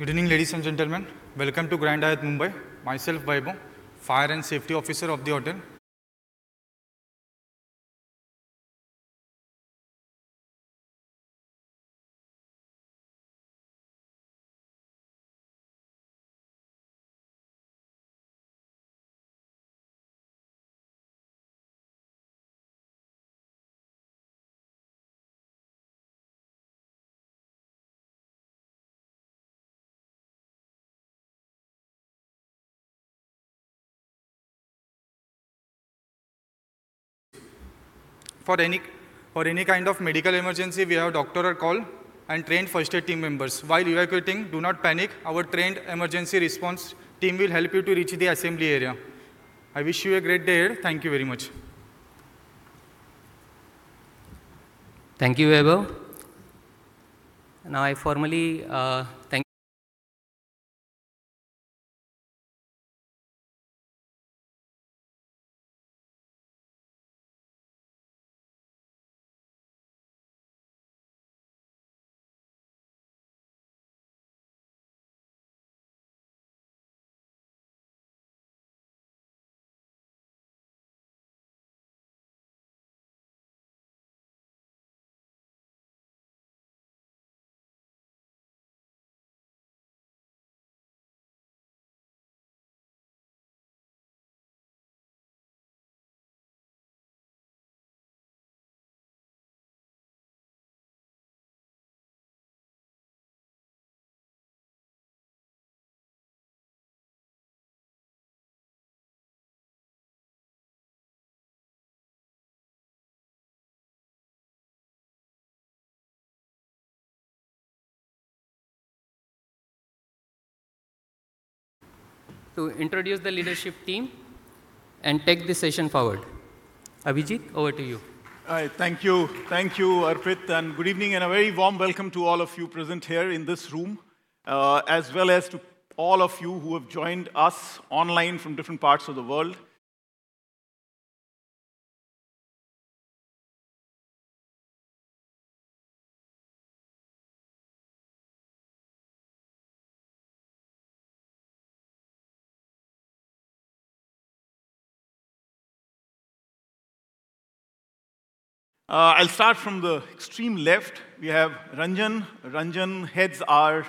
Good evening, ladies and gentlemen. Welcome to Grand Hyatt, Mumbai. Myself, Vaibhav, Fire and Safety Officer of the hotel. For any kind of medical emergency, we have a doctor on call and trained first aid team members. While evacuating, do not panic. Our trained emergency response team will help you to reach the assembly area. I wish you a great day ahead. Thank you very much. Thank you, Vaibhav. Now, I formally to introduce the leadership team and take the session forward. Abhijit, over to you. All right. Thank you. Thank you, Arpit, and good evening, and a very warm welcome to all of you present here in this room, as well as to all of you who have joined us online from different parts of the world. I'll start from the extreme left. We have Ranjan. Ranjan heads our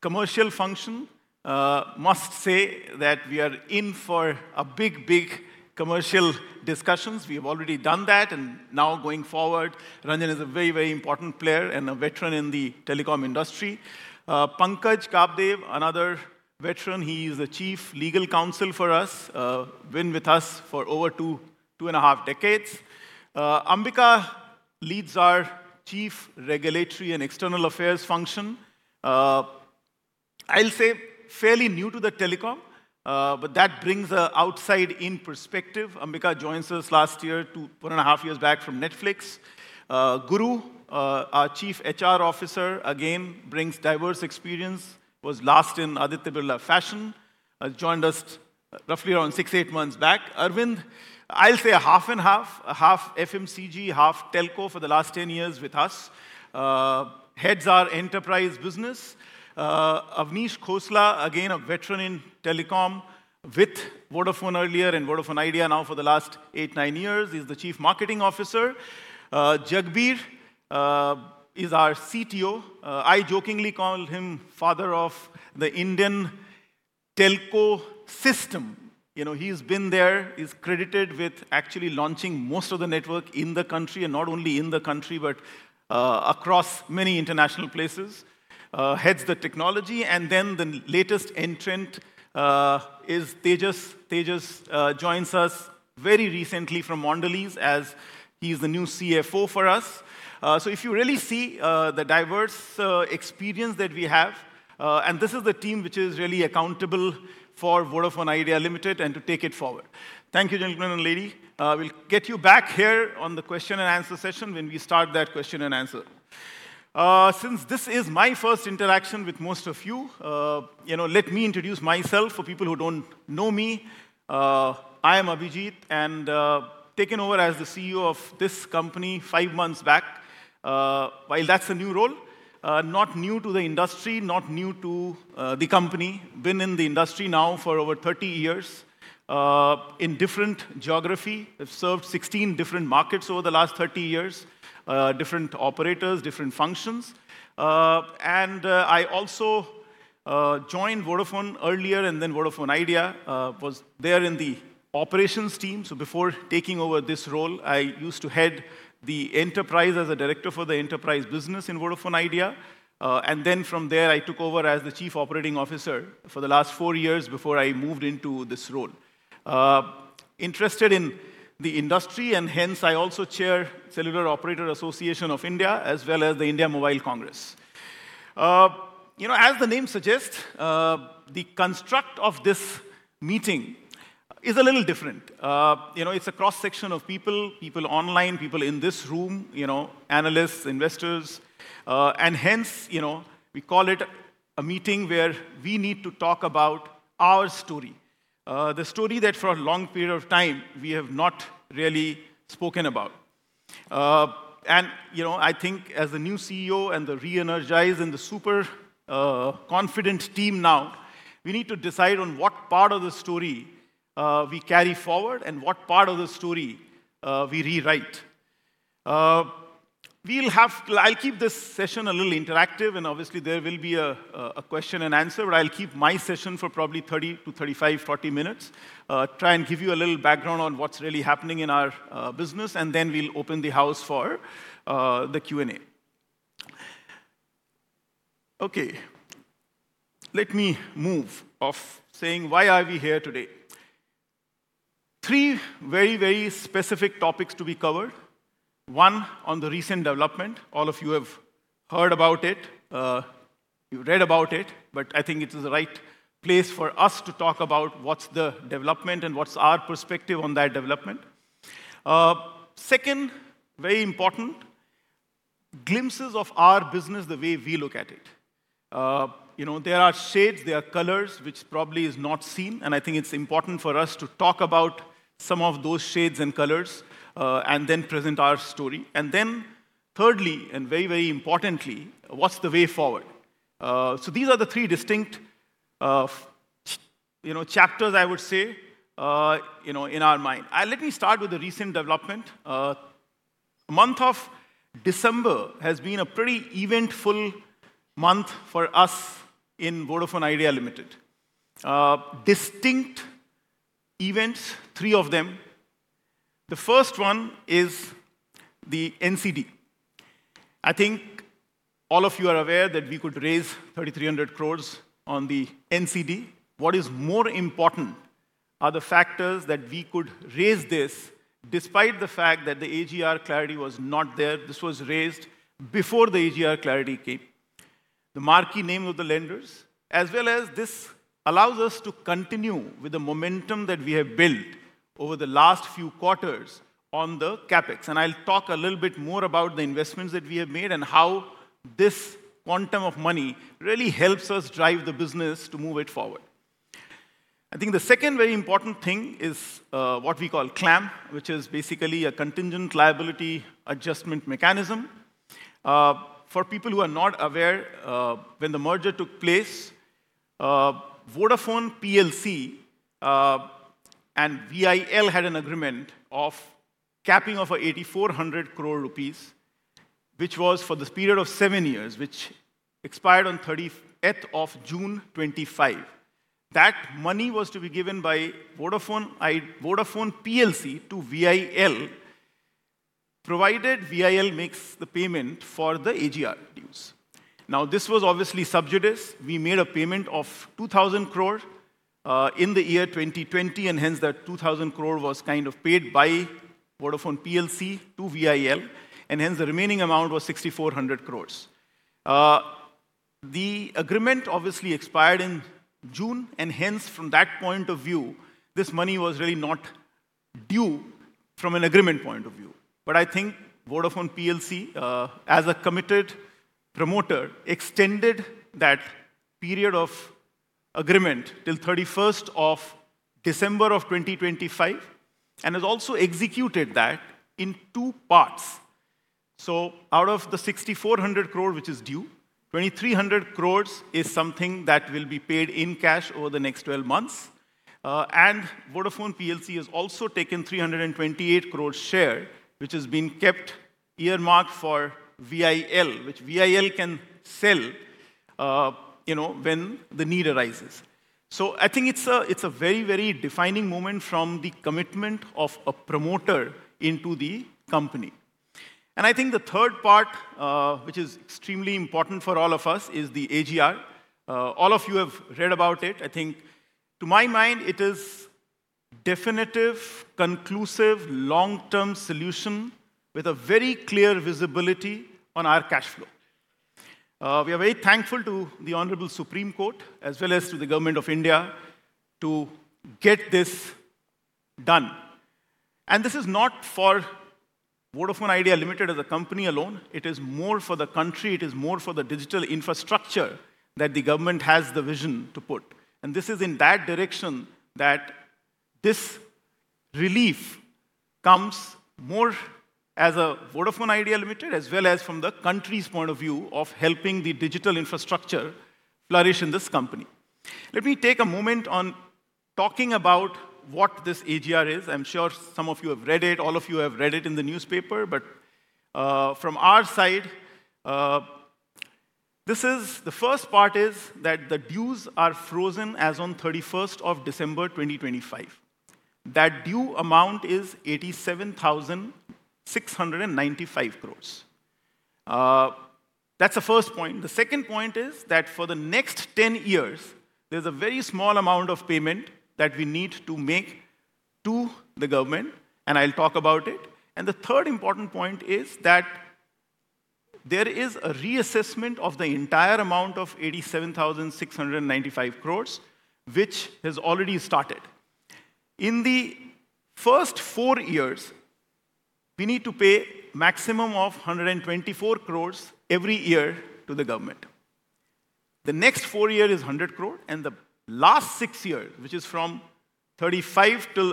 commercial function. Must say that we are in for a big, big commercial discussions. We have already done that, and now going forward, Ranjan is a very, very important player and a veteran in the telecom industry. Pankaj Kapdeo, another veteran, he is the Chief Legal Counsel for us. Been with us for over two, two and a half decades. Ambika leads our Chief Regulatory and External Affairs function. I'll say fairly new to the telecom, but that brings an outside in perspective. Ambika joined us 1.5 years back from Netflix. Guru, our Chief HR Officer, again, brings diverse experience. Was last in Aditya Birla Fashion. Joined us roughly around 6-8 months back. Arvind, I'll say a half and half: a half FMCG, half telco for the last 10 years with us. Heads our enterprise business. Avneesh Khosla, again, a veteran in telecom with Vodafone earlier and Vodafone Idea now for the last 8-9 years. He's the Chief Marketing Officer. Jagbir is our CTO. I jokingly call him father of the Indian telco system. You know, he's been there. He's credited with actually launching most of the network in the country, and not only in the country, but across many international places. Heads the technology. And then the latest entrant is Tejas. Tejas joins us very recently from Mondelēz, as he is the new CFO for us. So if you really see the diverse experience that we have, and this is the team which is really accountable for Vodafone Idea Limited and to take it forward. Thank you, gentlemen and lady. We'll get you back here on the question and answer session when we start that question and answer. Since this is my first interaction with most of you, you know, let me introduce myself for people who don't know me. I am Abhijit, and taken over as the CEO of this company 5 months back. While that's a new role, not new to the industry, not new to the company. Been in the industry now for over 30 years in different geography. I've served 16 different markets over the last 30 years. Different operators, different functions. And I also joined Vodafone earlier, and then Vodafone Idea. Was there in the operations team. So before taking over this role, I used to head the enterprise as a director for the enterprise business in Vodafone Idea. And then from there, I took over as the chief operating officer for the last four years before I moved into this role. Interested in the industry, and hence I also chair Cellular Operators Association of India, as well as the India Mobile Congress. You know, as the name suggests, the construct of this meeting is a little different. You know, it's a cross-section of people, people online, people in this room, you know, analysts, investors. Hence, you know, we call it a meeting where we need to talk about our story. The story that for a long period of time we have not really spoken about... And, you know, I think as the new CEO and the re-energized and the super confident team now, we need to decide on what part of the story we carry forward and what part of the story we rewrite. We'll have. I'll keep this session a little interactive, and obviously there will be a question and answer. But I'll keep my session for probably 30-35 or 40 minutes. Try and give you a little background on what's really happening in our business, and then we'll open the house for the Q&A. Okay, let me move on to saying, why are we here today? Three very, very specific topics to be covered. One, on the recent development. All of you have heard about it, you read about it, but I think it is the right place for us to talk about what's the development and what's our perspective on that development. Second, very important, glimpses of our business, the way we look at it. You know, there are shades, there are colors, which probably is not seen, and I think it's important for us to talk about some of those shades and colors, and then present our story. And then thirdly, and very, very importantly, what's the way forward? So these are the three distinct, you know, chapters, I would say, you know, in our mind. And let me start with the recent development. Month of December has been a pretty eventful month for us in Vodafone Idea Limited. Distinct events, three of them. The first one is the NCD. I think all of you are aware that we could raise 3,300 crore on the NCD. What is more important are the factors that we could raise this despite the fact that the AGR clarity was not there. This was raised before the AGR clarity came. The marquee name of the lenders, as well as this allows us to continue with the momentum that we have built over the last few quarters on the CapEx. And I'll talk a little bit more about the investments that we have made and how this quantum of money really helps us drive the business to move it forward. I think the second very important thing is, what we call claim, which is basically a Contingent Liability Adjustment Mechanism. For people who are not aware, when the merger took place, Vodafone PLC and VIL had an agreement of capping of 8,400 crore rupees, which was for the period of seven years, which expired on 30th of June 2025. That money was to be given by Vodafone I-- Vodafone PLC to VIL, provided VIL makes the payment for the AGR dues. Now, this was obviously subject is, we made a payment of 2,000 crore in the year 2020, and hence that 2,000 crore was kind of paid by Vodafone PLC to VIL, and hence the remaining amount was 6,400 crore. The agreement obviously expired in June, and hence, from that point of view, this money was really not due from an agreement point of view. But I think Vodafone PLC, as a committed promoter, extended that period of agreement till 31st of December of 2025 and has also executed that in two parts. So out of the 6,400 crore, which is due, 2,300 crores is something that will be paid in cash over the next 12 months. And Vodafone PLC has also taken 328 crore share, which has been kept earmarked for VIL, which VIL can sell, you know, when the need arises. So I think it's a very, very defining moment from the commitment of a promoter into the company. And I think the third part, which is extremely important for all of us, is the AGR. All of you have read about it. I think to my mind, it is definitive, conclusive, long-term solution with a very clear visibility on our cash flow. We are very thankful to the Honorable Supreme Court, as well as to the Government of India, to get this done. And this is not for Vodafone Idea Limited as a company alone. It is more for the country, it is more for the digital infrastructure that the government has the vision to put. And this is in that direction that this relief comes more as a Vodafone Idea Limited, as well as from the country's point of view of helping the digital infrastructure flourish in this company. Let me take a moment on talking about what this AGR is. I'm sure some of you have read it, all of you have read it in the newspaper, but from our side, this is. The first part is that the dues are frozen as on 31st of December 2025. That due amount is 87,695 crore. That's the first point. The second point is that for the next 10 years, there's a very small amount of payment that we need to make to the government, and I'll talk about it. And the third important point is that there is a reassessment of the entire amount of 87,695 crore, which has already started. In the first four years, we need to pay maximum of 124 crore every year to the government. The next four years is 100 crore, and the last six years, which is from 2035 till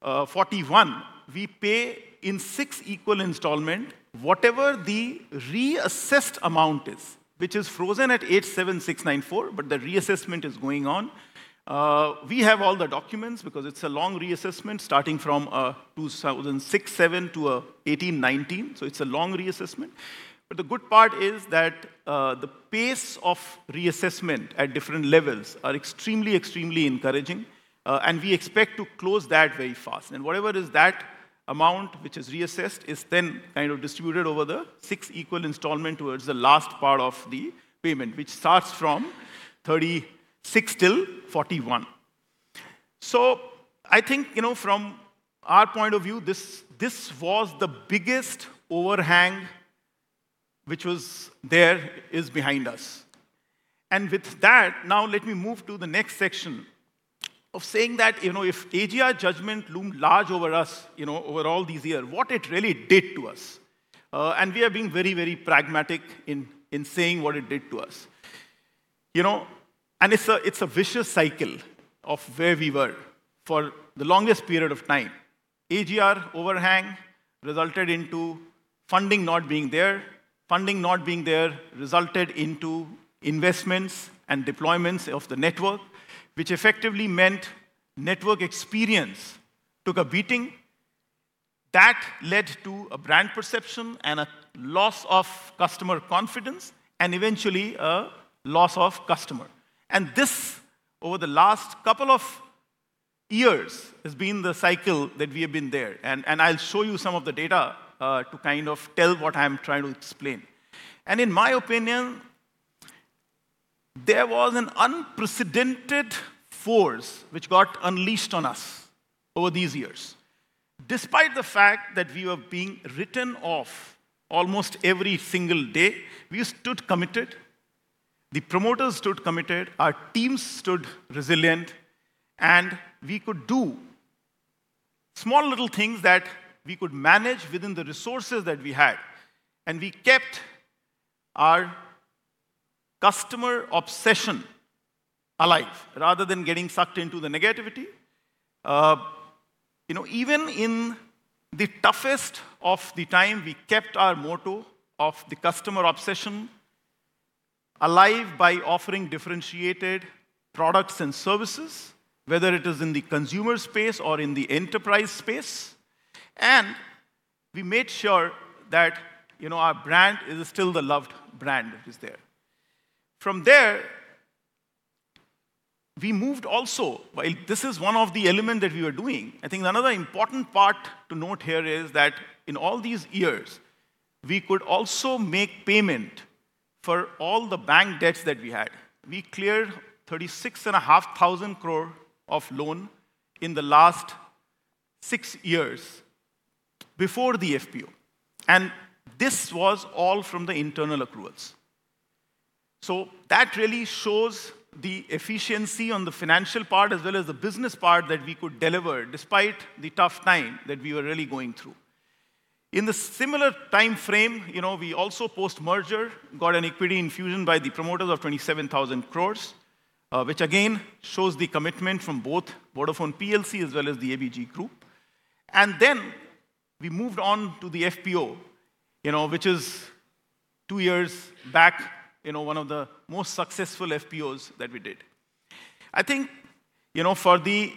2041, we pay in six equal installments, whatever the reassessed amount is, which is frozen at 87,694 crore, but the reassessment is going on. We have all the documents because it's a long reassessment, starting from 2006-07 to 2018-19, so it's a long reassessment. But the good part is that the pace of reassessment at different levels are extremely, extremely encouraging, and we expect to close that very fast. And whatever is that amount which is reassessed is then kind of distributed over the six equal installments towards the last part of the payment, which starts from 2036 till 2041. So I think, you know, from our point of view, this, this was the biggest overhang which was there, is behind us. And with that, now let me move to the next section of saying that, you know, if AGR judgment loomed large over us, you know, over all these years, what it really did to us. And we are being very, very pragmatic in, in saying what it did to us. You know, and it's a, it's a vicious cycle of where we were for the longest period of time. AGR overhang resulted into funding not being there. Funding not being there resulted into investments and deployments of the network, which effectively meant network experience took a beating. That led to a brand perception and a loss of customer confidence, and eventually a loss of customer. This, over the last couple of years, has been the cycle that we have been there. I'll show you some of the data to kind of tell what I'm trying to explain. In my opinion, there was an unprecedented force which got unleashed on us over these years. Despite the fact that we were being written off almost every single day, we stood committed, the promoters stood committed, our team stood resilient, and we could do small little things that we could manage within the resources that we had. We kept our customer obsession alive rather than getting sucked into the negativity. You know, even in the toughest of the time, we kept our motto of the customer obsession alive by offering differentiated products and services, whether it is in the consumer space or in the enterprise space. We made sure that, you know, our brand is still the loved brand that is there. From there, we moved also... Well, this is one of the element that we were doing. I think another important part to note here is that in all these years, we could also make payment for all the bank debts that we had. We cleared 36,500 crore of loan in the last six years before the FPO, and this was all from the internal accruals. That really shows the efficiency on the financial part, as well as the business part, that we could deliver despite the tough time that we were really going through. In the similar time frame, you know, we also, post-merger, got an equity infusion by the promoters of 27,000 crore, which again shows the commitment from both Vodafone PLC as well as the ABG group. Then we moved on to the FPO, you know, which is two years back, you know, one of the most successful FPOs that we did. I think, you know, for the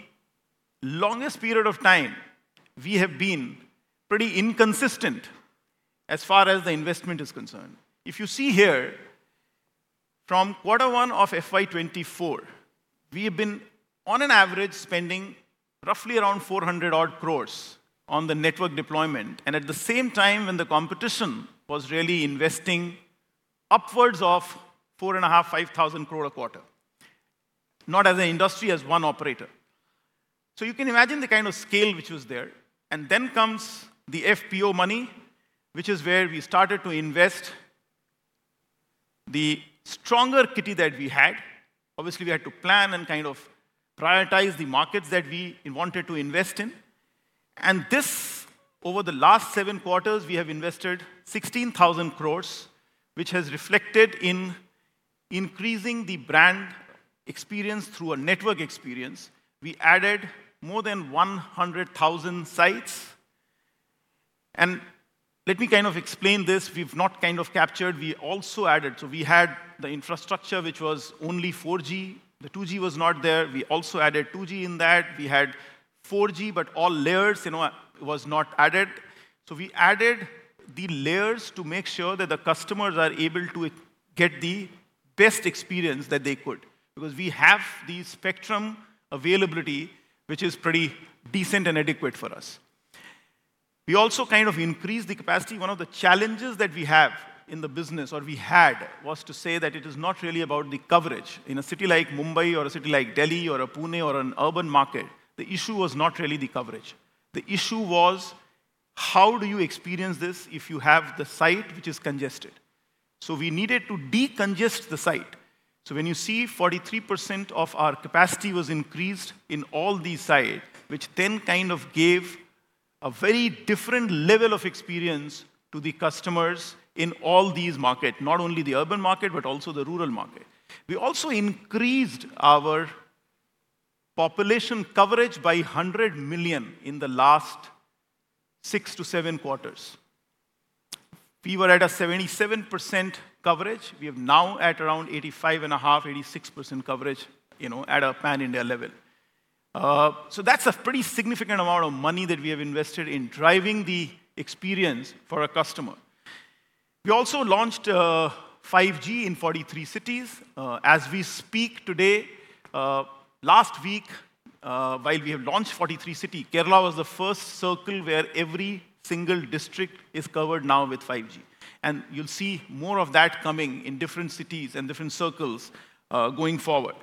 longest period of time, we have been pretty inconsistent as far as the investment is concerned. If you see here, from quarter one of FY 2024, we have been, on an average, spending roughly around 400 odd crore on the network deployment, and at the same time, when the competition was really investing upwards of 4.5, 5,000 crore a quarter, not as an industry, as one operator. So you can imagine the kind of scale which was there. And then comes the FPO money, which is where we started to invest the stronger kitty that we had. Obviously, we had to plan and kind of prioritize the markets that we wanted to invest in. And this, over the last seven quarters, we have invested 16,000 crore, which has reflected in increasing the brand experience through a network experience. We added more than 100,000 sites. And let me kind of explain this. We've not kind of captured, we also added... So we had the infrastructure, which was only 4G. The 2G was not there. We also added 2G in that. We had 4G, but all layers, you know, was not added. So we added the layers to make sure that the customers are able to get the best experience that they could, because we have the spectrum availability, which is pretty decent and adequate for us. We also kind of increased the capacity. One of the challenges that we have in the business, or we had, was to say that it is not really about the coverage. In a city like Mumbai or a city like Delhi or a Pune or an urban market, the issue was not really the coverage. The issue was: how do you experience this if you have the site which is congested? So we needed to decongest the site. So when you see 43% of our capacity was increased in all these sites, which then kind of gave-... a very different level of experience to the customers in all these market, not only the urban market, but also the rural market. We also increased our population coverage by 100 million in the last 6 to 7 quarters. We were at a 77% coverage. We have now at around 85.5-86% coverage, you know, at a pan-India level. So that's a pretty significant amount of money that we have invested in driving the experience for a customer. We also launched 5G in 43 cities as we speak today. Last week, while we have launched 43 cities, Kerala was the first circle where every single district is covered now with 5G, and you'll see more of that coming in different cities and different circles going forward.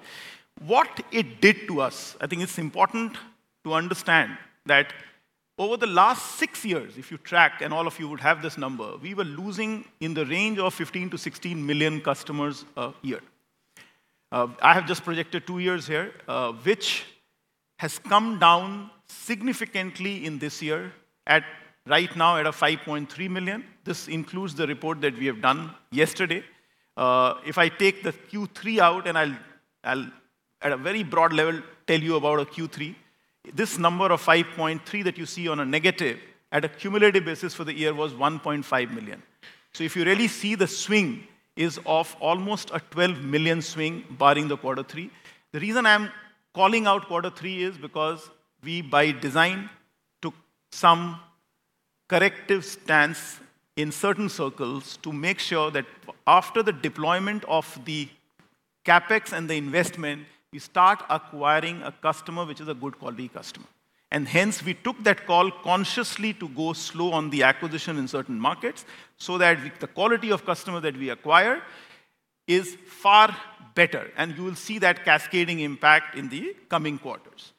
What it did to us, I think it's important to understand that over the last six years, if you tracked, and all of you would have this number, we were losing in the range of 15-16 million customers a year. I have just projected two years here, which has come down significantly in this year, right now at a 5.3 million. This includes the report that we have done yesterday. If I take the Q3 out, and I'll, at a very broad level, tell you about our Q3. This number of 5.3 that you see on a negative at a cumulative basis for the year was 1.5 million. So if you really see the swing is of almost a 12 million swing, barring the quarter three. The reason I'm calling out quarter three is because we, by design, took some corrective stance in certain circles to make sure that after the deployment of the CapEx and the investment, you start acquiring a customer, which is a good quality customer. And hence, we took that call consciously to go slow on the acquisition in certain markets, so that the quality of customer that we acquire is far better, and you will see that cascading impact in the coming quarters.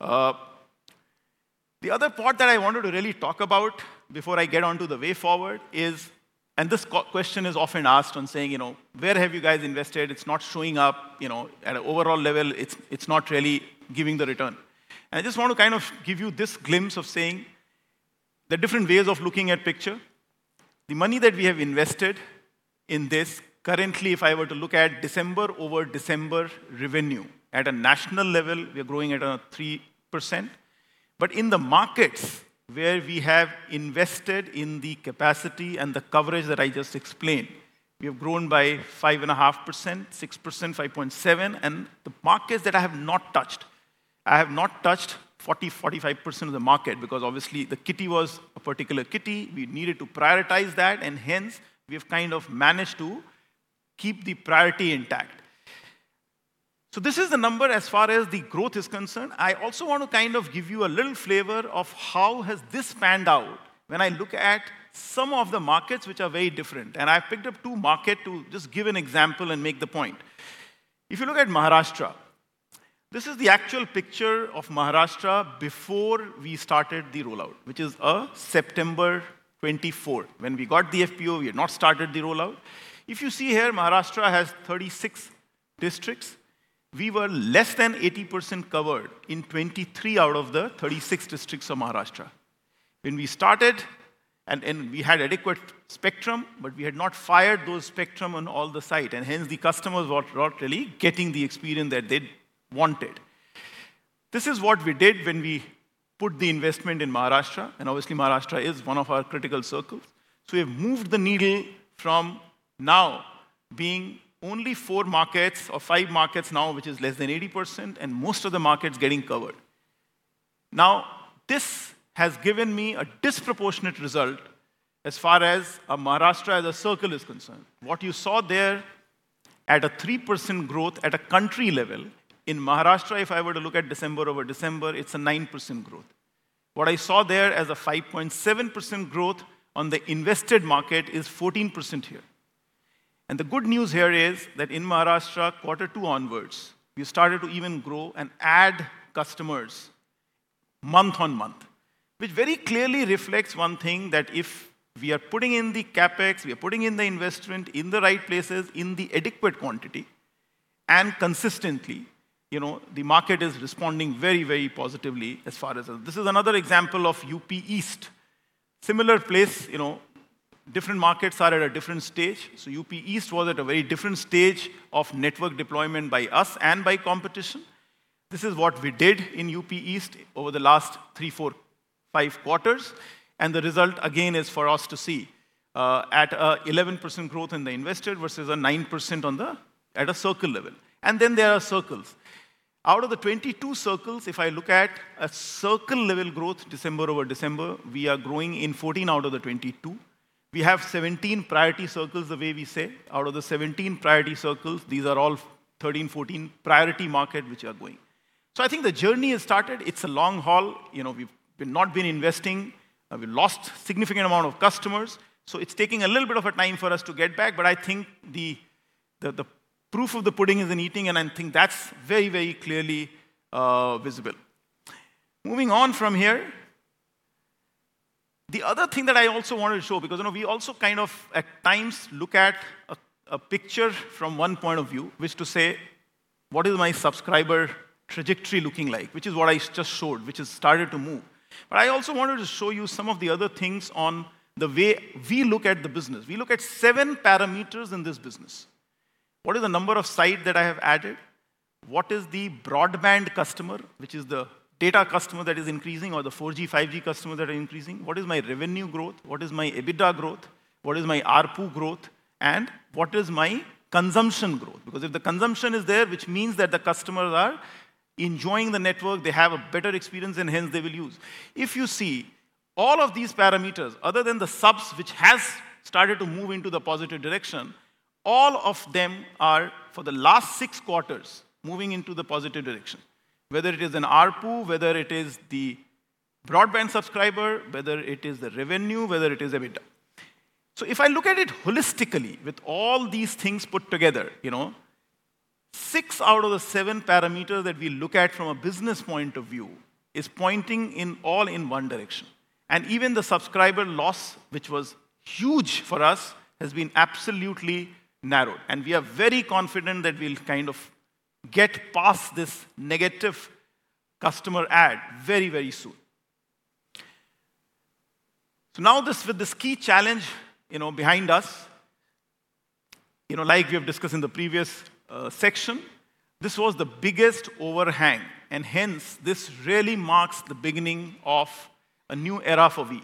The other part that I wanted to really talk about before I get onto the way forward is, and this question is often asked on saying, you know, "Where have you guys invested? It's not showing up, you know, at an overall level. It's not really giving the return." And I just want to kind of give you this glimpse of saying the different ways of looking at picture. The money that we have invested in this, currently, if I were to look at December over December revenue, at a national level, we are growing at around 3%. But in the markets where we have invested in the capacity and the coverage that I just explained, we have grown by 5.5%, 6%, 5.7. And the markets that I have not touched, I have not touched 40%-45% of the market because obviously the kitty was a particular kitty. We needed to prioritize that, and hence, we have kind of managed to keep the priority intact. So this is the number as far as the growth is concerned. I also want to kind of give you a little flavor of how has this panned out when I look at some of the markets which are very different, and I've picked up two markets to just give an example and make the point. If you look at Maharashtra, this is the actual picture of Maharashtra before we started the rollout, which is September 2024. When we got the FPO, we had not started the rollout. If you see here, Maharashtra has 36 districts. We were less than 80% covered in 23 out of the 36 districts of Maharashtra. When we started, and we had adequate spectrum, but we had not fired that spectrum on all the sites, and hence the customers were not really getting the experience that they wanted. This is what we did when we put the investment in Maharashtra, and obviously Maharashtra is one of our critical circles. So we have moved the needle from now being only 4 markets or 5 markets now, which is less than 80%, and most of the markets getting covered. Now, this has given me a disproportionate result as far as Maharashtra as a circle is concerned. What you saw there at a 3% growth at a country level, in Maharashtra, if I were to look at December over December, it's a 9% growth. What I saw there as a 5.7% growth on the invested market is 14% here. And the good news here is that in Maharashtra, quarter 2 onwards, we started to even grow and add customers month-on-month, which very clearly reflects one thing, that if we are putting in the CapEx, we are putting in the investment in the right places, in the adequate quantity and consistently, you know, the market is responding very, very positively as far as... This is another example of UP East. Similar place, you know, different markets are at a different stage. So UP East was at a very different stage of network deployment by us and by competition. This is what we did in UP East over the last 3, 4, 5 quarters, and the result again is for us to see, at 11% growth in the invested versus a 9% on the- at a circle level. And then there are circles. Out of the 22 circles, if I look at a circle-level growth, December over December, we are growing in 14 out of the 22. We have 17 priority circles, the way we say. Out of the 17 priority circles, these are all 13, 14 priority market which are growing. So I think the journey has started. It's a long haul. You know, we've not been investing, and we lost significant amount of customers, so it's taking a little bit of a time for us to get back. But I think the proof of the pudding is in eating, and I think that's very, very clearly visible. Moving on from here. The other thing that I also wanted to show, because, you know, we also kind of at times look at a, a picture from one point of view, which to say, "What is my subscriber trajectory looking like?" Which is what I just showed, which has started to move. But I also wanted to show you some of the other things on the way we look at the business. We look at seven parameters in this business. What is the number of site that I have added? What is the broadband customer, which is the data customer that is increasing, or the 4G, 5G customer that are increasing? What is my revenue growth? What is my EBITDA growth? What is my ARPU growth, and what is my consumption growth? Because if the consumption is there, which means that the customers are enjoying the network, they have a better experience, and hence they will use. If you see all of these parameters, other than the subs, which has started to move into the positive direction, all of them are, for the last six quarters, moving into the positive direction. Whether it is an ARPU, whether it is the broadband subscriber, whether it is the revenue, whether it is EBITDA. So if I look at it holistically, with all these things put together, you know, six out of the seven parameters that we look at from a business point of view is pointing in all in one direction. And even the subscriber loss, which was huge for us, has been absolutely narrowed, and we are very confident that we'll kind of get past this negative customer add very, very soon. So now this... with this key challenge, you know, behind us, you know, like we have discussed in the previous section, this was the biggest overhang, and hence, this really marks the beginning of a new era for Vi.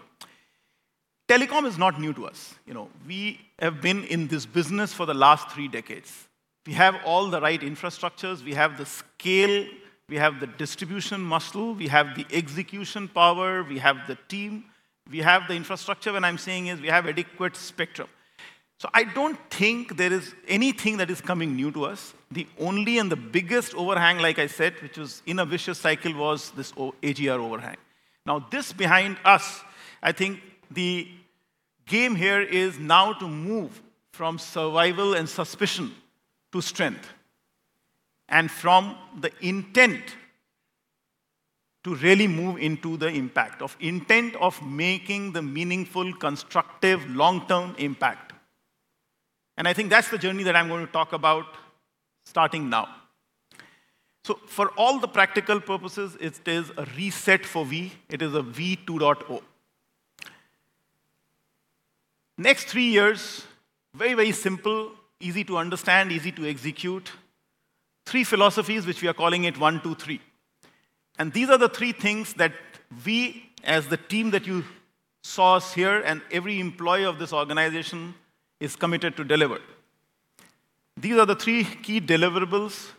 Telecom is not new to us, you know. We have been in this business for the last three decades. We have all the right infrastructures, we have the scale, we have the distribution muscle, we have the execution power, we have the team, we have the infrastructure. What I'm saying is we have adequate spectrum. So I don't think there is anything that is coming new to us. The only and the biggest overhang, like I said, which was in a vicious cycle, was this AGR overhang. Now, this behind us, I think the game here is now to move from survival and suspicion to strength, and from the intent to really move into the impact, of intent of making the meaningful, constructive, long-term impact. And I think that's the journey that I'm going to talk about starting now. So for all the practical purposes, it is a reset for Vi. It is a Vi 2.0. Next three years, very, very simple, easy to understand, easy to execute, three philosophies, which we are calling it One, Two, Three. And these are the three things that we as the team that you saw us here and every employee of this organization is committed to deliver. These are the three key deliverables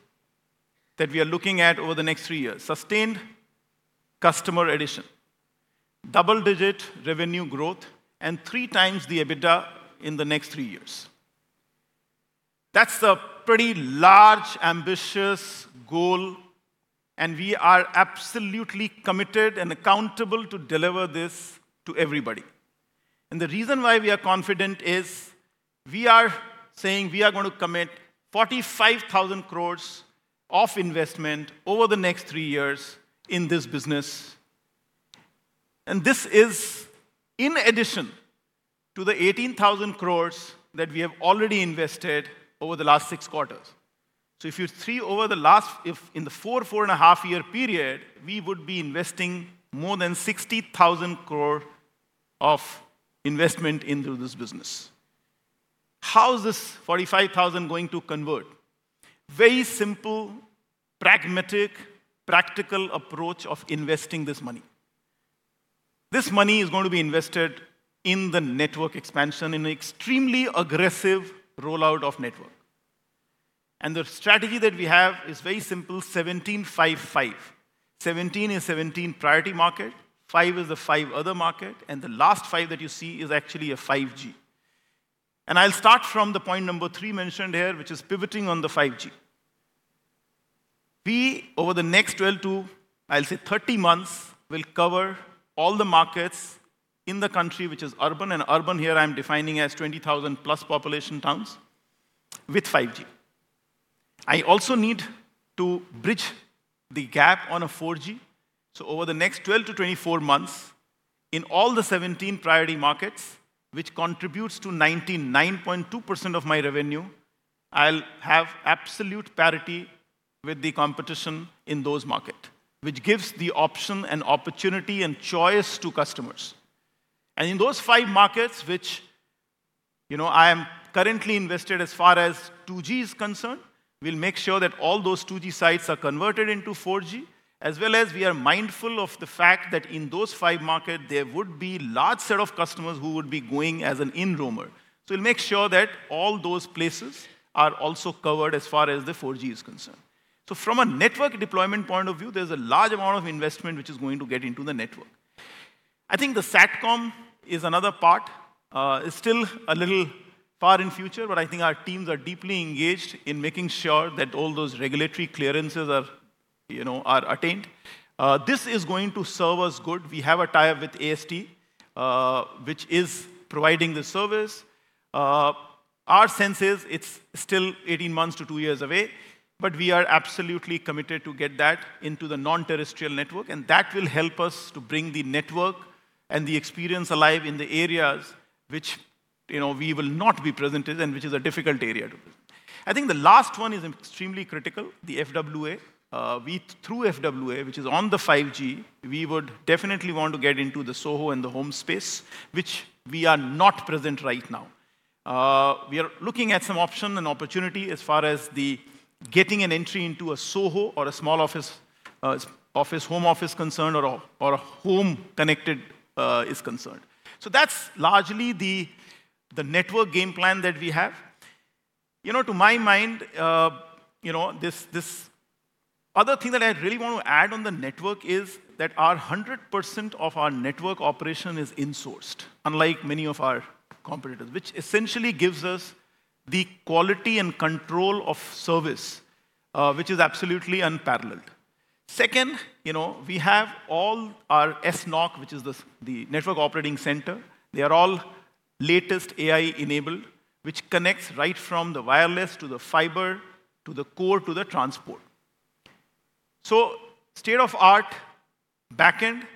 that we are looking at over the next three years: sustained customer addition, double-digit revenue growth, and three times the EBITDA in the next three years. That's a pretty large, ambitious goal, and we are absolutely committed and accountable to deliver this to everybody. The reason why we are confident is we are saying we are going to commit 45,000 crore of investment over the next three years in this business, and this is in addition to the 18,000 crore that we have already invested over the last six quarters. If in the four, four and a half year period, we would be investing more than 60,000 crore of investment into this business. How is this forty-five thousand going to convert? Very simple, pragmatic, practical approach of investing this money. This money is going to be invested in the network expansion, in extremely aggressive rollout of network. The strategy that we have is very simple: 17, 5, 5. Seventeen is 17 priority market, five is the 5 other market, and the last 5 that you see is actually a 5G. I'll start from the point number three mentioned here, which is pivoting on the 5G. We, over the next 12 to, I'll say 30 months, will cover all the markets in the country, which is urban, and urban here I'm defining as 20,000+ population towns with 5G. I also need to bridge the gap on a 4G, so over the next 12-24 months, in all the 17 priority markets, which contributes to 99.2% of my revenue, I'll have absolute parity with the competition in those market, which gives the option and opportunity and choice to customers. And in those five markets, which, you know, I am currently invested as far as 2G is concerned, we'll make sure that all those 2G sites are converted into 4G. As well as we are mindful of the fact that in those five market, there would be large set of customers who would be going as an in-roamer. So we'll make sure that all those places are also covered as far as the 4G is concerned. From a network deployment point of view, there's a large amount of investment which is going to get into the network. I think the Satcom is another part. It's still a little far in future, but I think our teams are deeply engaged in making sure that all those regulatory clearances are, you know, are attained. This is going to serve us good. We have a tie-up with AST, which is providing the service. Our sense is it's still 18 months to 2 years away, but we are absolutely committed to get that into the non-terrestrial network, and that will help us to bring the network and the experience alive in the areas which, you know, we will not be present in and which is a difficult area to be. I think the last one is extremely critical, the FWA. We, through FWA, which is on the 5G, we would definitely want to get into the SOHO and the home space, which we are not present right now. We are looking at some option and opportunity as far as the getting an entry into a SOHO or a small office, office, home office concerned, or a, or a home connected, is concerned. So that's largely the network game plan that we have. You know, to my mind, you know, this other thing that I really want to add on the network is that our 100% of our network operation is insourced, unlike many of our competitors, which essentially gives us the quality and control of service, which is absolutely unparalleled. Second, you know, we have all our SNOC, which is the network operating center. They are all latest AI-enabled, which connects right from the wireless to the fiber, to the core, to the transport. So state-of-the-art back-end,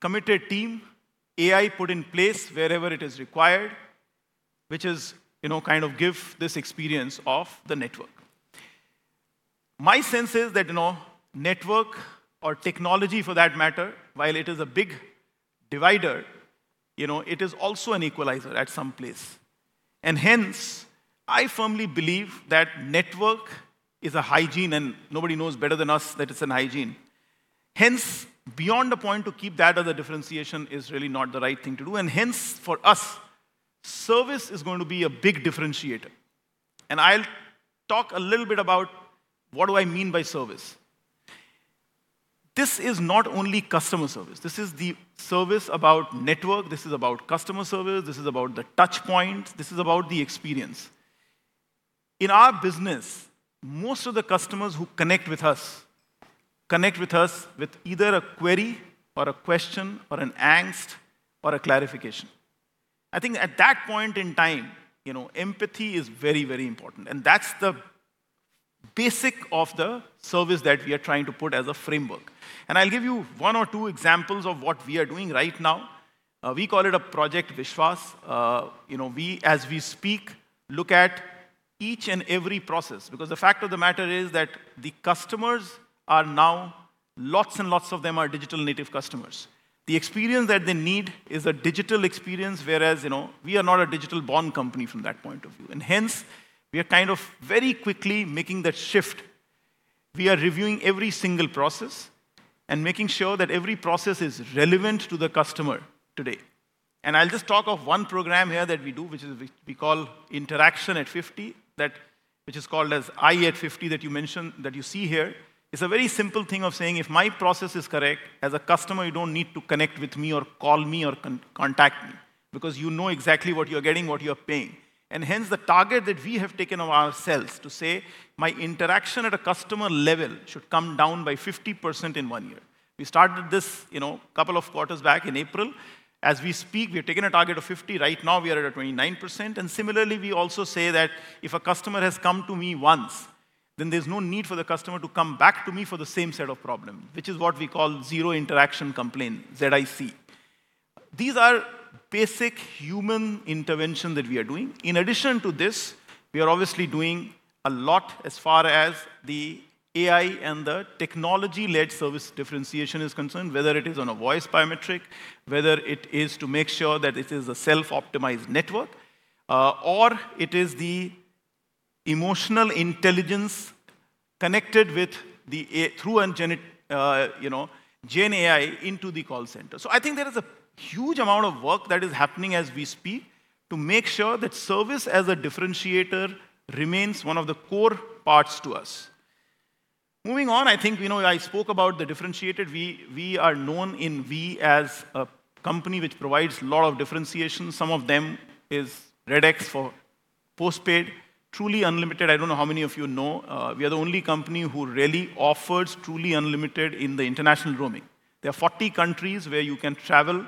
committed team, AI put in place wherever it is required, which is, you know, kind of give this experience of the network. My sense is that, you know, network or technology for that matter, while it is a big divider, you know, it is also an equalizer at some place. And hence, I firmly believe that network is a hygiene, and nobody knows better than us that it's a hygiene. Hence, beyond the point to keep that as a differentiation is really not the right thing to do, and hence, for us, service is going to be a big differentiator. And I'll talk a little bit about what do I mean by service. This is not only customer service, this is the service about network, this is about customer service, this is about the touch points, this is about the experience. In our business, most of the customers who connect with us, connect with us with either a query, or a question, or an angst, or a clarification. I think at that point in time, you know, empathy is very, very important, and that's the basic of the service that we are trying to put as a framework. And I'll give you one or two examples of what we are doing right now. We call it Project Vishwas. You know, we, as we speak, look at each and every process because the fact of the matter is that the customers are now... lots and lots of them are digital-native customers. The experience that they need is a digital experience, whereas, you know, we are not a digital-born company from that point of view, and hence, we are kind of very quickly making that shift. We are reviewing every single process and making sure that every process is relevant to the customer today. I'll just talk of one program here that we do, which is, we call Interaction at Fifty, that which is called as I at Fifty, that you mentioned, that you see here. It's a very simple thing of saying: If my process is correct, as a customer, you don't need to connect with me or call me or contact me because you know exactly what you're getting, what you are paying. Hence, the target that we have taken of ourselves to say, "My interaction at a customer level should come down by 50% in one year." We started this, you know, couple of quarters back in April. As we speak, we have taken a target of 50; right now, we are at 29%. And similarly, we also say that if a customer has come to me once, then there's no need for the customer to come back to me for the same set of problem, which is what we call zero interaction complaint, ZIC. These are basic human intervention that we are doing. In addition to this, we are obviously doing a lot as far as the AI and the technology-led service differentiation is concerned, whether it is on a voice biometric, whether it is to make sure that it is a self-optimized network, or it is the emotional intelligence connected with the, you know, GenAI into the call center. So I think there is a huge amount of work that is happening as we speak, to make sure that service as a differentiator remains one of the core parts to us. Moving on, I think, you know, I spoke about the differentiator. We, we are known in Vi as a company which provides a lot of differentiation. Some of them is RedX for postpaid, truly unlimited. I don't know how many of you know, we are the only company who really offers truly unlimited in the international roaming. There are 40 countries where you can travel.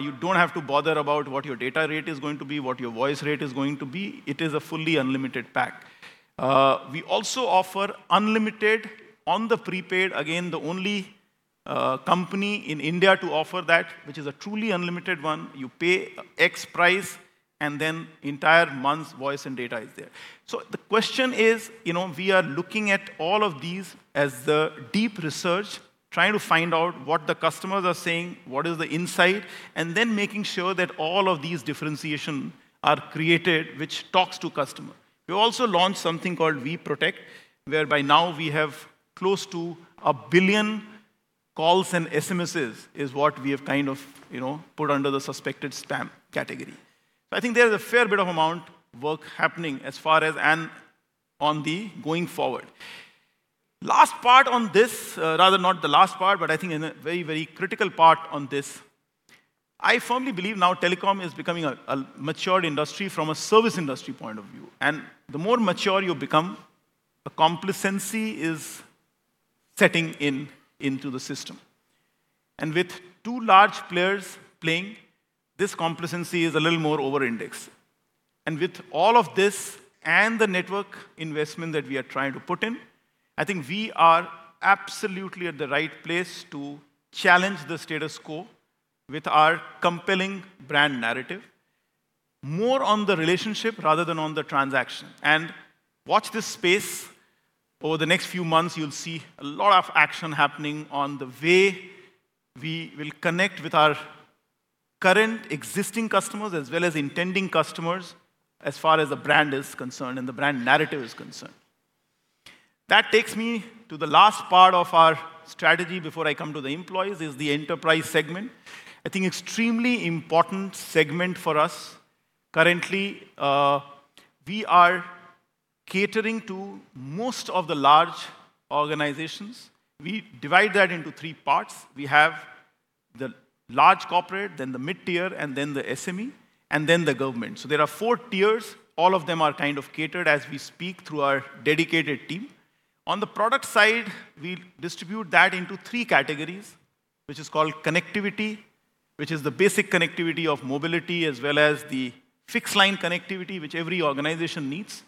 You don't have to bother about what your data rate is going to be, what your voice rate is going to be. It is a fully unlimited pack. We also offer unlimited on the prepaid, again, the only company in India to offer that, which is a truly unlimited one. You pay X price, and then entire month's voice and data is there. So the question is, you know, we are looking at all of these as the deep research, trying to find out what the customers are saying, what is the insight, and then making sure that all of these differentiation are created, which talks to customer. We also launched something called Vi Protect, whereby now we have close to 1 billion calls and SMSs, is what we have kind of, you know, put under the suspected spam category. So I think there is a fair bit of amount work happening as far as and on the going forward. Last part on this, rather not the last part, but I think in a very, very critical part on this, I firmly believe now telecom is becoming a matured industry from a service industry point of view. And the more mature you become, a complacency is setting in into the system... and with two large players playing, this competency is a little more over-indexed. With all of this and the network investment that we are trying to put in, I think we are absolutely at the right place to challenge the status quo with our compelling brand narrative, more on the relationship rather than on the transaction. Watch this space. Over the next few months, you'll see a lot of action happening on the way we will connect with our current existing customers, as well as intending customers, as far as the brand is concerned and the brand narrative is concerned. That takes me to the last part of our strategy before I come to the employees, is the enterprise segment. I think extremely important segment for us. Currently, we are catering to most of the large organizations. We divide that into three parts. We have the large corporate, then the mid-tier, and then the SME, and then the government. So there are four tiers. All of them are kind of catered as we speak through our dedicated team. On the product side, we distribute that into three categories, which is called connectivity, which is the basic connectivity of mobility, as well as the fixed line connectivity which every organization needs.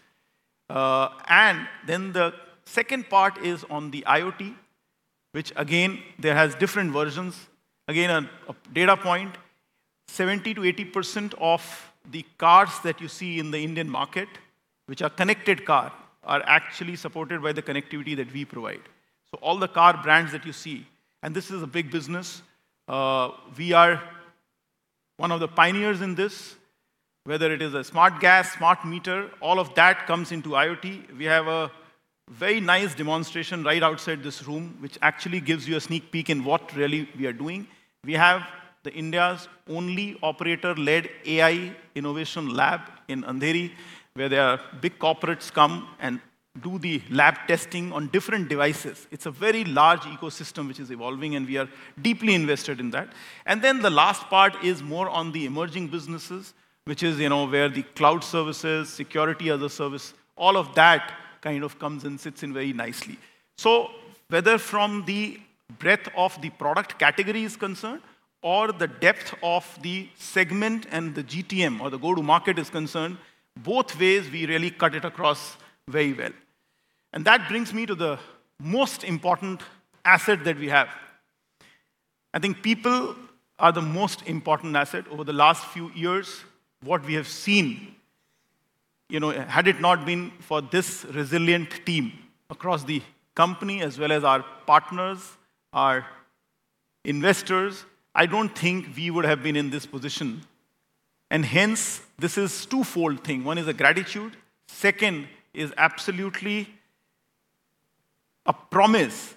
And then the second part is on the IoT, which again, there has different versions. Again, a data point, 70%-80% of the cars that you see in the Indian market, which are connected car, are actually supported by the connectivity that we provide. So all the car brands that you see, and this is a big business. We are one of the pioneers in this. Whether it is a smart gas, smart meter, all of that comes into IoT. We have a very nice demonstration right outside this room, which actually gives you a sneak peek in what really we are doing. We have India's only operator-led AI innovation lab in Andheri, where there are big corporates come and do the lab testing on different devices. It's a very large ecosystem which is evolving, and we are deeply invested in that. And then the last part is more on the emerging businesses, which is, you know, where the cloud services, security-as-a-service, all of that kind of comes and sits in very nicely. So whether from the breadth of the product category is concerned or the depth of the segment and the GTM or the go-to-market is concerned, both ways, we really cut it across very well. And that brings me to the most important asset that we have. I think people are the most important asset. Over the last few years, what we have seen... You know, had it not been for this resilient team across the company, as well as our partners, our investors, I don't think we would have been in this position. And hence, this is twofold thing. One is a gratitude, second is absolutely a promise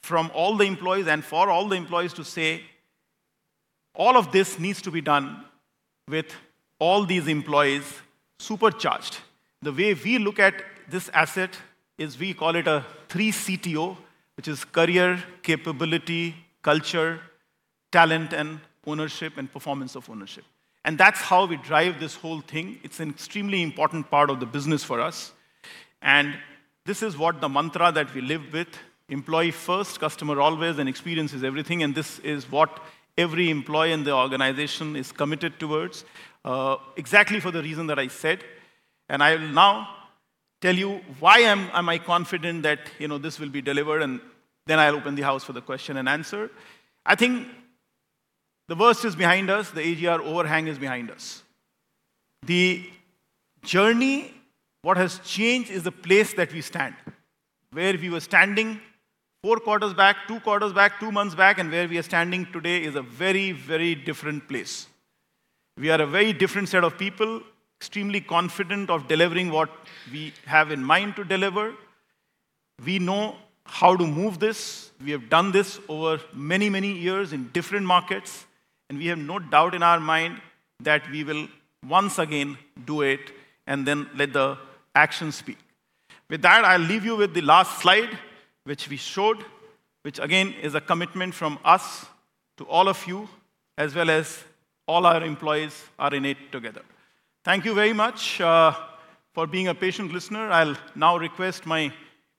from all the employees and for all the employees to say, all of this needs to be done with all these employees supercharged. The way we look at this asset is we call it a three CTO, which is career, capability, culture, talent, and ownership and performance of ownership, and that's how we drive this whole thing. It's an extremely important part of the business for us, and this is what the mantra that we live with: employee first, customer always, and experience is everything. This is what every employee in the organization is committed towards, exactly for the reason that I said. I will now tell you why I am confident that, you know, this will be delivered, and then I'll open the house for the question and answer. I think the worst is behind us. The AGR overhang is behind us. The journey, what has changed is the place that we stand. Where we were standing 4 quarters back, 2 quarters back, 2 months back, and where we are standing today is a very, very different place. We are a very different set of people, extremely confident of delivering what we have in mind to deliver. We know how to move this. We have done this over many, many years in different markets, and we have no doubt in our mind that we will once again do it and then let the actions speak. With that, I'll leave you with the last slide, which we showed, which again is a commitment from us to all of you, as well as all our employees are in it together. Thank you very much for being a patient listener. I'll now request my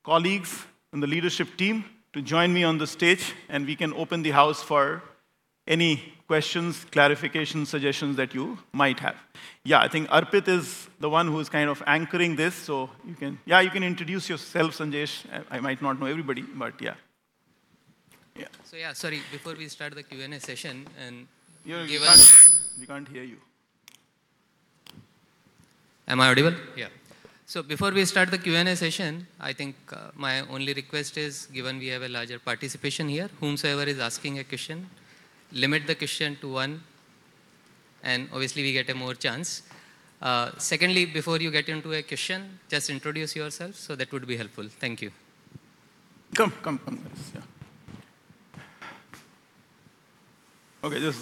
colleagues and the leadership team to join me on the stage, and we can open the house for any questions, clarifications, suggestions that you might have. Yeah, I think Arpit is the one who is kind of anchoring this, so you can... Yeah, you can introduce yourself, Sanjesh. I might not know everybody, but yeah. Yeah. So, yeah, sorry, before we start the Q&A session, and give us- We can't, we can't hear you. Am I audible? Yeah. So before we start the Q&A session, I think my only request is, given we have a larger participation here, whomsoever is asking a question, limit the question to one, and obviously we get a more chance. Secondly, before you get into a question, just introduce yourself, so that would be helpful. Thank you. Come, come, come, yes, yeah. Okay, just...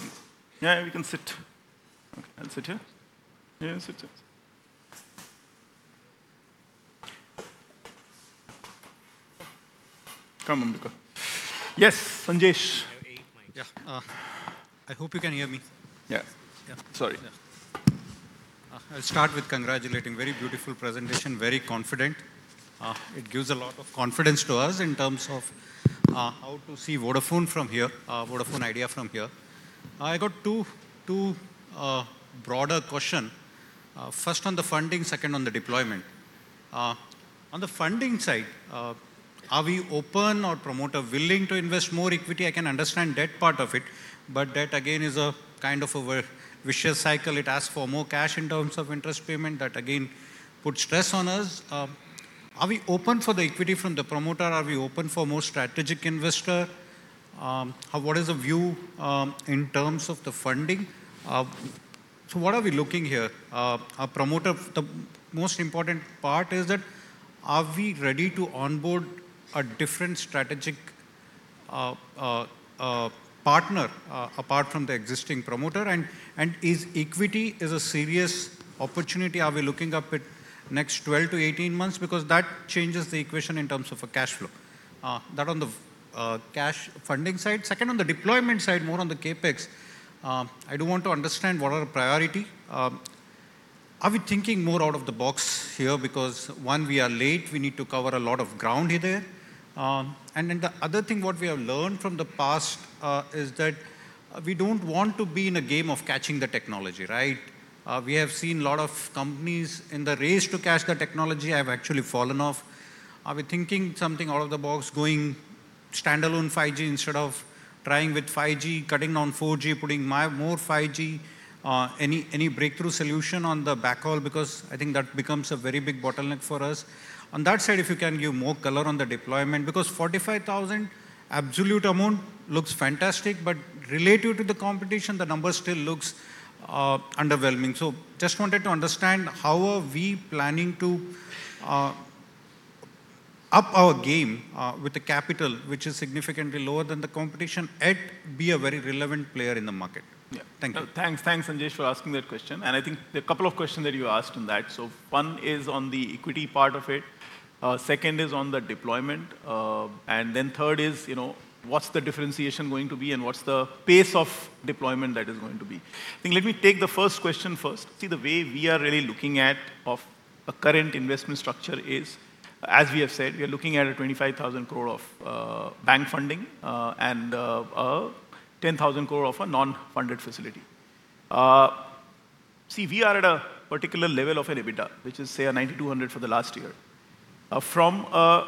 Yeah, you can sit. Okay, I'll sit here? Yeah, sit, sit. Come, Ambika. Yes, Sanjesh. I have eight mics. Yeah. I hope you can hear me. Yeah. Yeah. Sorry.... I'll start with congratulating. Very beautiful presentation, very confident. It gives a lot of confidence to us in terms of how to see Vodafone from here, Vodafone Idea from here. I got two, two, broader question. First, on the funding, second, on the deployment. On the funding side, are we open or promoter willing to invest more equity? I can understand that part of it, but that again is a kind of a vicious cycle. It asks for more cash in terms of interest payment. That again puts stress on us. Are we open for the equity from the promoter? Are we open for more strategic investor? What is the view in terms of the funding? So what are we looking here? Our promoter, the most important part is that are we ready to onboard a different strategic partner apart from the existing promoter, and is equity a serious opportunity? Are we looking at it next 12-18 months? Because that changes the equation in terms of a cash flow. That on the cash funding side. Second, on the deployment side, more on the CapEx, I do want to understand what are the priority. Are we thinking more out of the box here? Because one, we are late, we need to cover a lot of ground here there. And then the other thing, what we have learned from the past is that we don't want to be in a game of catching the technology, right? We have seen a lot of companies in the race to catch the technology have actually fallen off. Are we thinking something out of the box, going standalone 5G instead of trying with 5G, cutting on 4G, putting my more 5G? Any breakthrough solution on the backhaul, because I think that becomes a very big bottleneck for us. On that side, if you can give more color on the deployment, because 45,000 absolute amount looks fantastic, but related to the competition, the number still looks underwhelming. So just wanted to understand: how are we planning to up our game with the capital, which is significantly lower than the competition, and be a very relevant player in the market? Yeah. Thank you. Thanks. Thanks, Sanjesh, for asking that question, and I think there are a couple of questions that you asked in that. So one is on the equity part of it, second is on the deployment, and then third is, you know, what's the differentiation going to be and what's the pace of deployment that is going to be? I think let me take the first question first. See, the way we are really looking at of a current investment structure is, as we have said, we are looking at a 25,000 crore of bank funding, and a 10,000 crore of a non-funded facility. See, we are at a particular level of an EBITDA, which is, say, a 9,200 for the last year. From a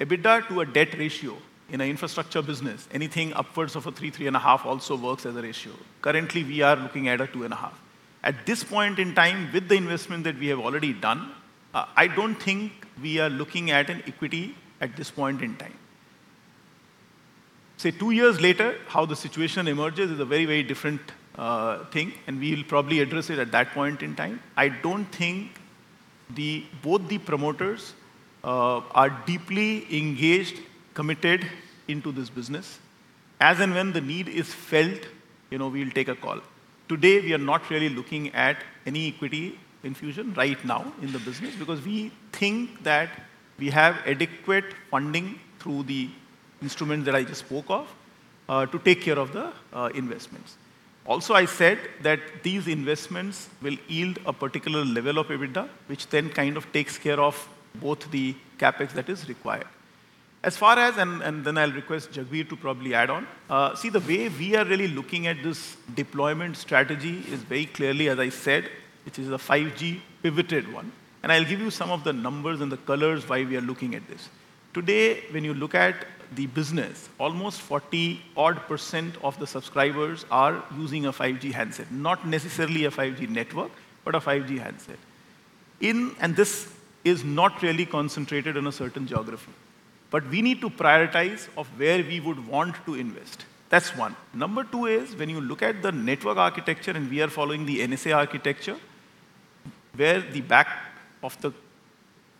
EBITDA to a debt ratio in an infrastructure business, anything upwards of a 3, 3.5 also works as a ratio. Currently, we are looking at a 2.5. At this point in time, with the investment that we have already done, I don't think we are looking at an equity at this point in time. Say, 2 years later, how the situation emerges is a very, very different thing, and we will probably address it at that point in time. I don't think the... both the promoters are deeply engaged, committed into this business. As and when the need is felt, you know, we'll take a call. Today, we are not really looking at any equity infusion right now in the business, because we think that we have adequate funding through the instrument that I just spoke of, to take care of the investments. Also, I said that these investments will yield a particular level of EBITDA, which then kind of takes care of both the CapEx that is required. As far as, and, and then I'll request Jagbir to probably add on. See, the way we are really looking at this deployment strategy is very clearly, as I said, it is a 5G pivoted one, and I'll give you some of the numbers and the colors why we are looking at this. Today, when you look at the business, almost 40-odd% of the subscribers are using a 5G handset. Not necessarily a 5G network, but a 5G handset. In... This is not really concentrated in a certain geography, but we need to prioritize of where we would want to invest. That's one. Number 2 is when you look at the network architecture, and we are following the NSA architecture, where the back of the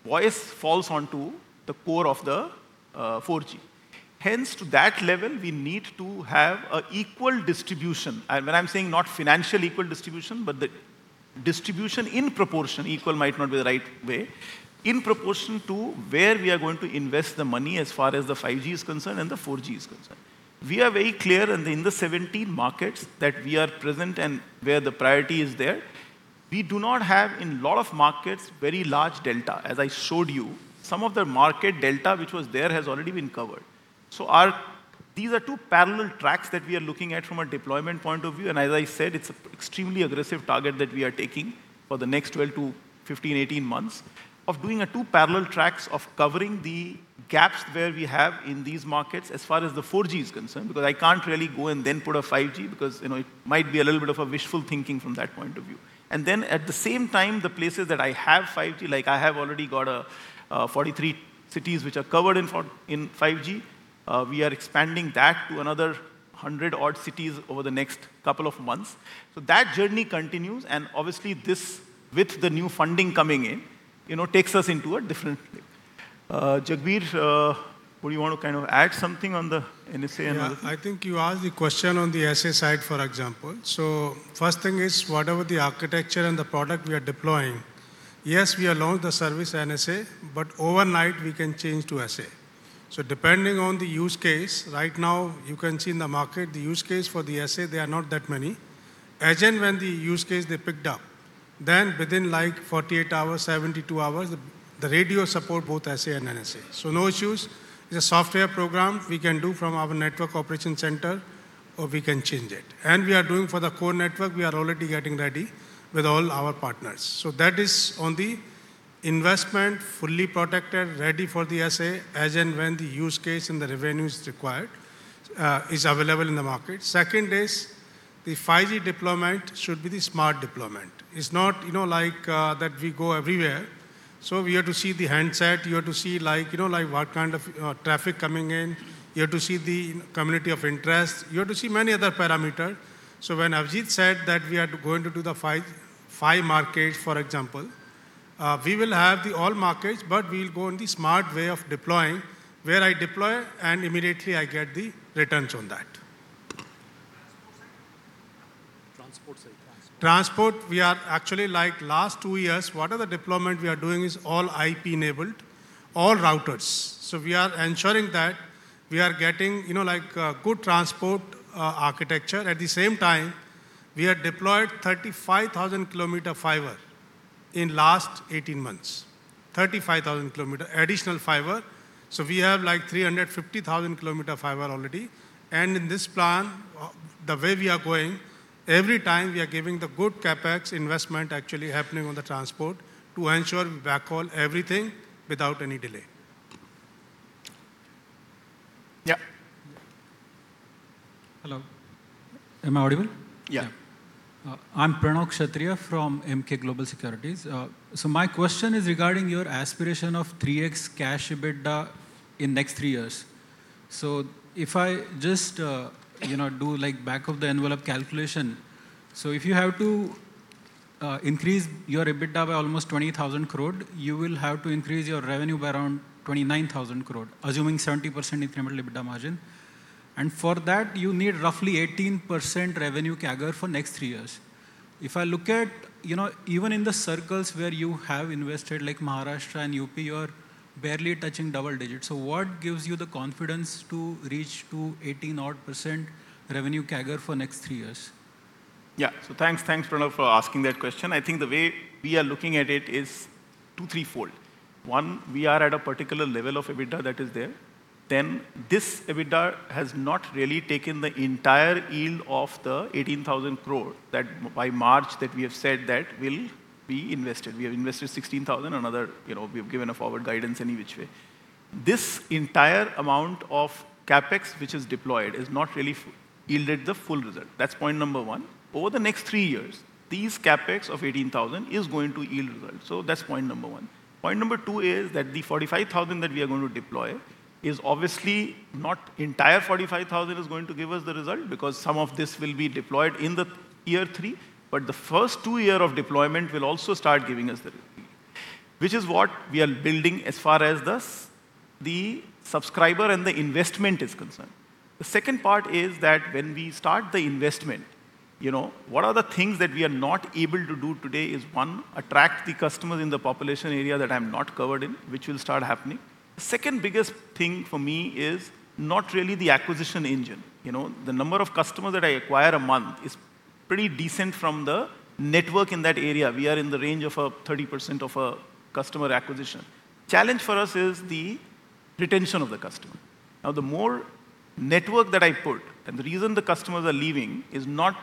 voice falls onto the core of the, 4G. Hence, to that level, we need to have a equal distribution. And when I'm saying not financial equal distribution, but the distribution in proportion, equal might not be the right way, in proportion to where we are going to invest the money as far as the 5G is concerned and the 4G is concerned. We are very clear in the, in the 17 markets that we are present and where the priority is there. We do not have, in a lot of markets, very large delta. As I showed you, some of the market delta, which was there, has already been covered. These are two parallel tracks that we are looking at from a deployment point of view, and as I said, it's an extremely aggressive target that we are taking for the next 12 to 15, 18 months of doing two parallel tracks of covering the gaps where we have in these markets as far as the 4G is concerned, because I can't really go and then put a 5G because, you know, it might be a little bit of a wishful thinking from that point of view. And then at the same time, the places that I have 5G, like I have already got 43 cities which are covered in 5G, we are expanding that to another 100-odd cities over the next couple of months. So that journey continues, and obviously, this, with the new funding coming in, you know, takes us into a different place. Jagbir, would you want to kind of add something on the NSA and- Yeah, I think you asked the question on the SA side, for example. So first thing is, whatever the architecture and the product we are deploying-... Yes, we are launched the service NSA, but overnight we can change to SA. So depending on the use case, right now, you can see in the market the use case for the SA, they are not that many. As and when the use case they picked up, then within, like, 48 hours, 72 hours, the radio support both SA and NSA. So no issues. The software program we can do from our network operation center, or we can change it. And we are doing for the core network, we are already getting ready with all our partners. So that is on the investment, fully protected, ready for the SA, as and when the use case and the revenue is required, is available in the market. Second is the 5G deployment should be the smart deployment. It's not, you know, like, that we go everywhere. So we have to see the handset, you have to see like, you know, like what kind of, traffic coming in. You have to see the community of interest. You have to see many other parameter. So when Abhijit said that we are going to do the 5G markets, for example, we will have the all markets, but we will go in the smart way of deploying, where I deploy and immediately I get the returns on that. Transport side. Transport, we are actually like last 2 years, what are the deployment we are doing is all IP-enabled, all routers. So we are ensuring that we are getting, you know, like, good transport, architecture. At the same time, we have deployed 35,000 km fiber in last 18 months. 35,000 km additional fiber, so we have, like, 350,000 km fiber already. And in this plan, the way we are going, every time we are giving the good CapEx investment actually happening on the transport to ensure we backhaul everything without any delay. Yeah. Hello. Am I audible? Yeah. I'm Pranav Kshatriya from Emkay Global Financial Services. So my question is regarding your aspiration of 3x cash EBITDA in next three years. So if I just, you know, do like back-of-the-envelope calculation, so if you have to, increase your EBITDA by almost 20,000 crore, you will have to increase your revenue by around 29,000 crore, assuming 70% incremental EBITDA margin. And for that, you need roughly 18% revenue CAGR for next three years. If I look at, you know, even in the circles where you have invested, like Maharashtra and UP, you are barely touching double digits. So what gives you the confidence to reach to 18-odd% revenue CAGR for next three years? Yeah. So thanks, thanks, Pranav, for asking that question. I think the way we are looking at it is two, threefold. One, we are at a particular level of EBITDA that is there. Then this EBITDA has not really taken the entire yield of the 18,000 crore that by March that we have said that will be invested. We have invested sixteen thousand, another, you know, we have given a forward guidance any which way. This entire amount of CapEx, which is deployed, has not really yielded the full result. That's point number one. Over the next three years, these CapEx of eighteen thousand is going to yield result. So that's point number one. Point number 2 is that the 45,000 that we are going to deploy is obviously not entire 45,000 is going to give us the result, because some of this will be deployed in the year 3, but the first 2 year of deployment will also start giving us the result, which is what we are building as far as the subscriber and the investment is concerned. The second part is that when we start the investment, you know, what are the things that we are not able to do today is, 1, attract the customer in the population area that I'm not covered in, which will start happening. The second biggest thing for me is not really the acquisition engine. You know, the number of customers that I acquire a month is pretty decent from the network in that area. We are in the range of 30% of a customer acquisition. Challenge for us is the retention of the customer. Now, the more network that I put, and the reason the customers are leaving is not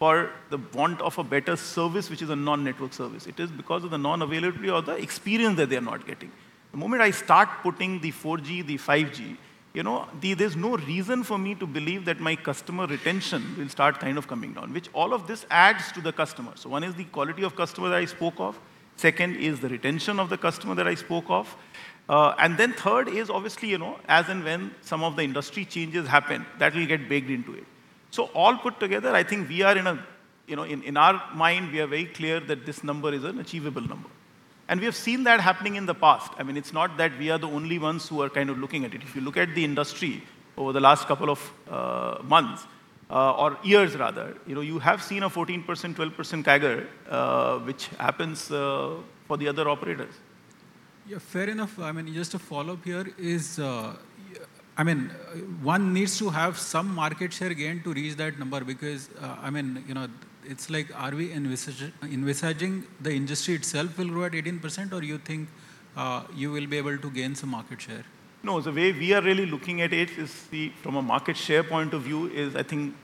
for the want of a better service, which is a non-network service. It is because of the non-availability or the experience that they are not getting. The moment I start putting the 4G, the 5G, you know, there's no reason for me to believe that my customer retention will start kind of coming down, which all of this adds to the customer. So one is the quality of customer that I spoke of, second is the retention of the customer that I spoke of, and then third is obviously, you know, as and when some of the industry changes happen, that will get baked into it. So all put together, I think we are in a... You know, in our mind, we are very clear that this number is an achievable number. And we have seen that happening in the past. I mean, it's not that we are the only ones who are kind of looking at it. If you look at the industry over the last couple of months or years rather, you know, you have seen a 14%, 12% CAGR, which happens for the other operators. Yeah, fair enough. I mean, just to follow up here is, I mean, one needs to have some market share gain to reach that number because, I mean, you know, it's like, are we envisaging the industry itself will grow at 18%, or you think, you will be able to gain some market share? No, the way we are really looking at it is the, from a market share point of view, is I think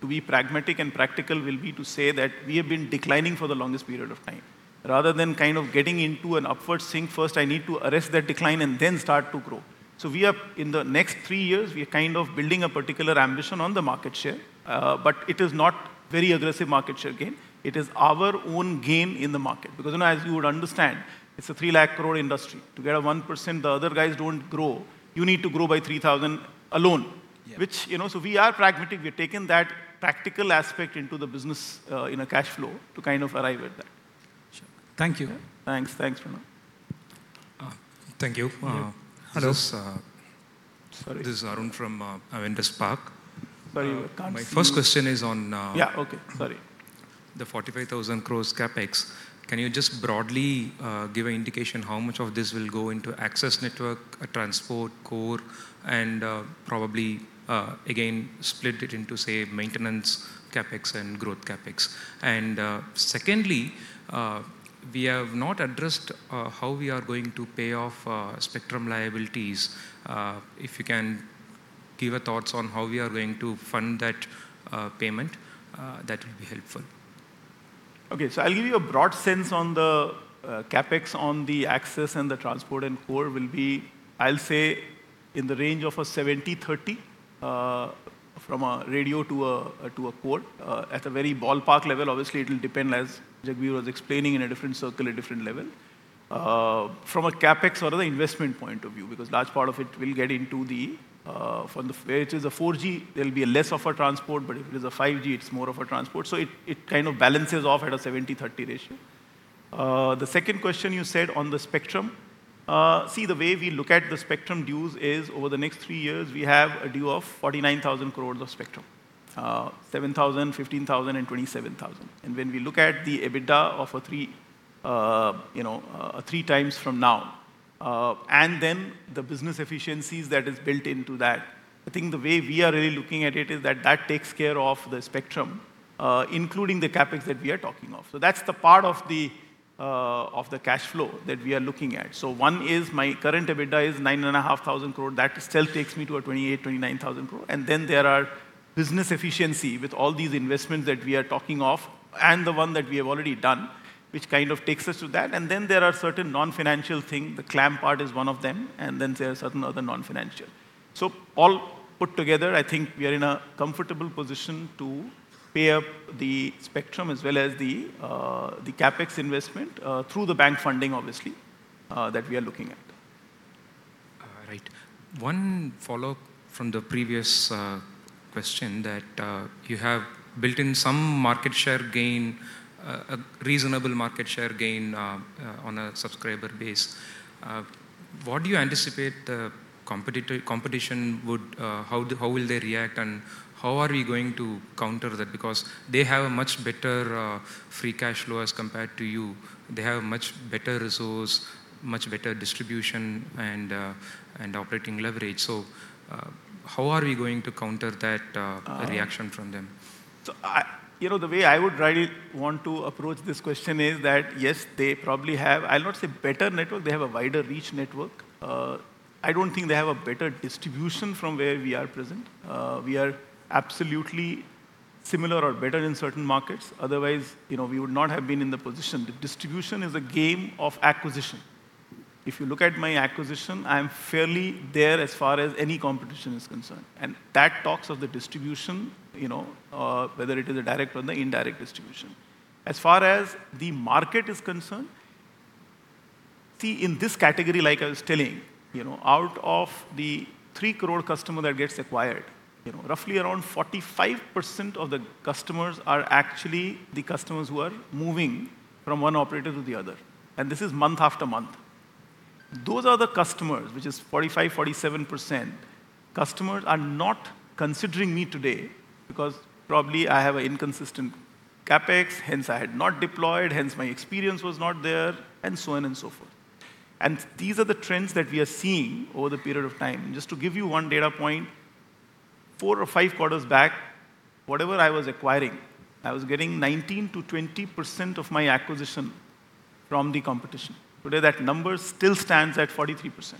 to be pragmatic and practical will be to say that we have been declining for the longest period of time. Rather than kind of getting into an upward swing, first I need to arrest that decline and then start to grow. So we are, in the next 3 years, we are kind of building a particular ambition on the market share, but it is not very aggressive market share gain. It is our own gain in the market, because then as you would understand, it's an 300,000 crore industry. To get a 1%, the other guys don't grow, you need to grow by 3,000 crore alone. Yeah. Which, you know, so we are pragmatic. We've taken that practical aspect into the business, in a cash flow to kind of arrive at that. Sure. Thank you. Thanks. Thanks, Pranav. Thank you. Hello. Hello. This is. Sorry. This is Arun from Avendus Spark. Sorry, I can't see you. My first question is on. Yeah, okay. Sorry. The 45,000 crore CapEx. Can you just broadly give an indication how much of this will go into access network, transport, core, and probably again split it into, say, maintenance CapEx and growth CapEx? Secondly, we have not addressed how we are going to pay off spectrum liabilities. If you can give some thoughts on how we are going to fund that payment, that will be helpful. Okay, so I'll give you a broad sense on the, CapEx on the access and the transport and core will be, I'll say, in the range of a 70-30, from a radio to a, to a core, at a very ballpark level. Obviously, it will depend, as Jagbir was explaining, in a different circle, a different level. From a CapEx or the investment point of view, because large part of it will get into the, from the... Where it is a 4G, there will be a less of a transport, but if it is a 5G, it's more of a transport, so it, it kind of balances off at a 70-30 ratio. The second question you said on the spectrum. See, the way we look at the spectrum dues is over the next three years, we have a due of 49,000 crore of spectrum. Seven thousand, fifteen thousand, and twenty-seven thousand. When we look at the EBITDA of a three, you know, three times from now, and then the business efficiencies that is built into that, I think the way we are really looking at it is that that takes care of the spectrum, including the CapEx that we are talking of. So that's the part of the, of the cash flow that we are looking at. So one is my current EBITDA is 9,500 crore. That still takes me to a 28,000-29,000 crore. Then there are business efficiency with all these investments that we are talking of and the one that we have already done, which kind of takes us to that. Then there are certain non-financial thing, the claim part is one of them, and then there are certain other non-financial. So all put together, I think we are in a comfortable position to pay up the spectrum as well as the CapEx investment through the bank funding, obviously, that we are looking at. Right. One follow-up from the previous question, that you have built in some market share gain, a reasonable market share gain, on a subscriber base. What do you anticipate the competitor competition would, how will they react, and how are we going to counter that? Because they have a much better free cash flow as compared to you. They have a much better resource, much better distribution, and operating leverage. So, how are we going to counter that reaction from them? You know, the way I would really want to approach this question is that, yes, they probably have, I'll not say better network, they have a wider reach network. I don't think they have a better distribution from where we are present. We are absolutely similar or better in certain markets, otherwise, you know, we would not have been in the position. The distribution is a game of acquisition. If you look at my acquisition, I am fairly there as far as any competition is concerned, and that talks of the distribution, you know, whether it is a direct or the indirect distribution. As far as the market is concerned, see, in this category, like I was telling, you know, out of the 3 crore customers that get acquired, you know, roughly around 45% of the customers are actually the customers who are moving from one operator to the other, and this is month after month. Those are the customers, which is 45-47%, customers are not considering me today because probably I have an inconsistent CapEx, hence I had not deployed, hence my experience was not there, and so on and so forth. These are the trends that we are seeing over the period of time. Just to give you one data point, four or five quarters back, whatever I was acquiring, I was getting 19%-20% of my acquisition from the competition. Today, that number still stands at 43%,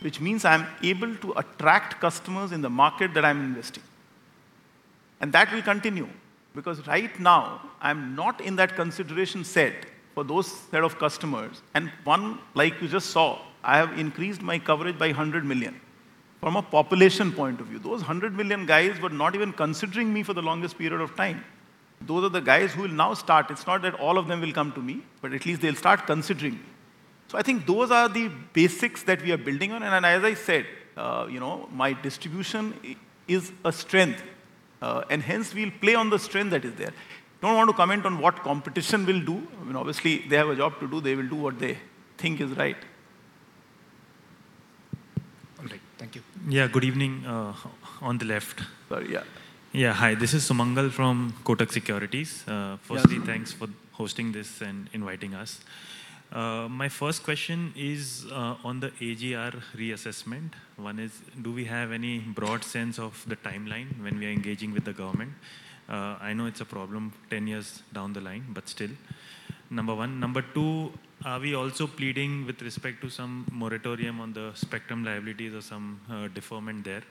which means I am able to attract customers in the market that I'm investing. And that will continue, because right now, I'm not in that consideration set for those set of customers. And one, like you just saw, I have increased my coverage by 100 million. From a population point of view, those 100 million guys were not even considering me for the longest period of time. Those are the guys who will now start. It's not that all of them will come to me, but at least they'll start considering me. So I think those are the basics that we are building on. And as I said, you know, my distribution is a strength, and hence we'll play on the strength that is there. Don't want to comment on what competition will do. I mean, obviously, they have a job to do. They will do what they think is right. All right. Thank you. Yeah, good evening, on the left. Uh, yeah. Yeah. Hi, this is Sumangal from Kotak Securities. Yeah. Firstly, thanks for hosting this and inviting us. My first question is on the AGR reassessment. One is, do we have any broad sense of the timeline when we are engaging with the government? I know it's a problem 10 years down the line, but still, number one. Number two, are we also pleading with respect to some moratorium on the spectrum liabilities or some deferment there?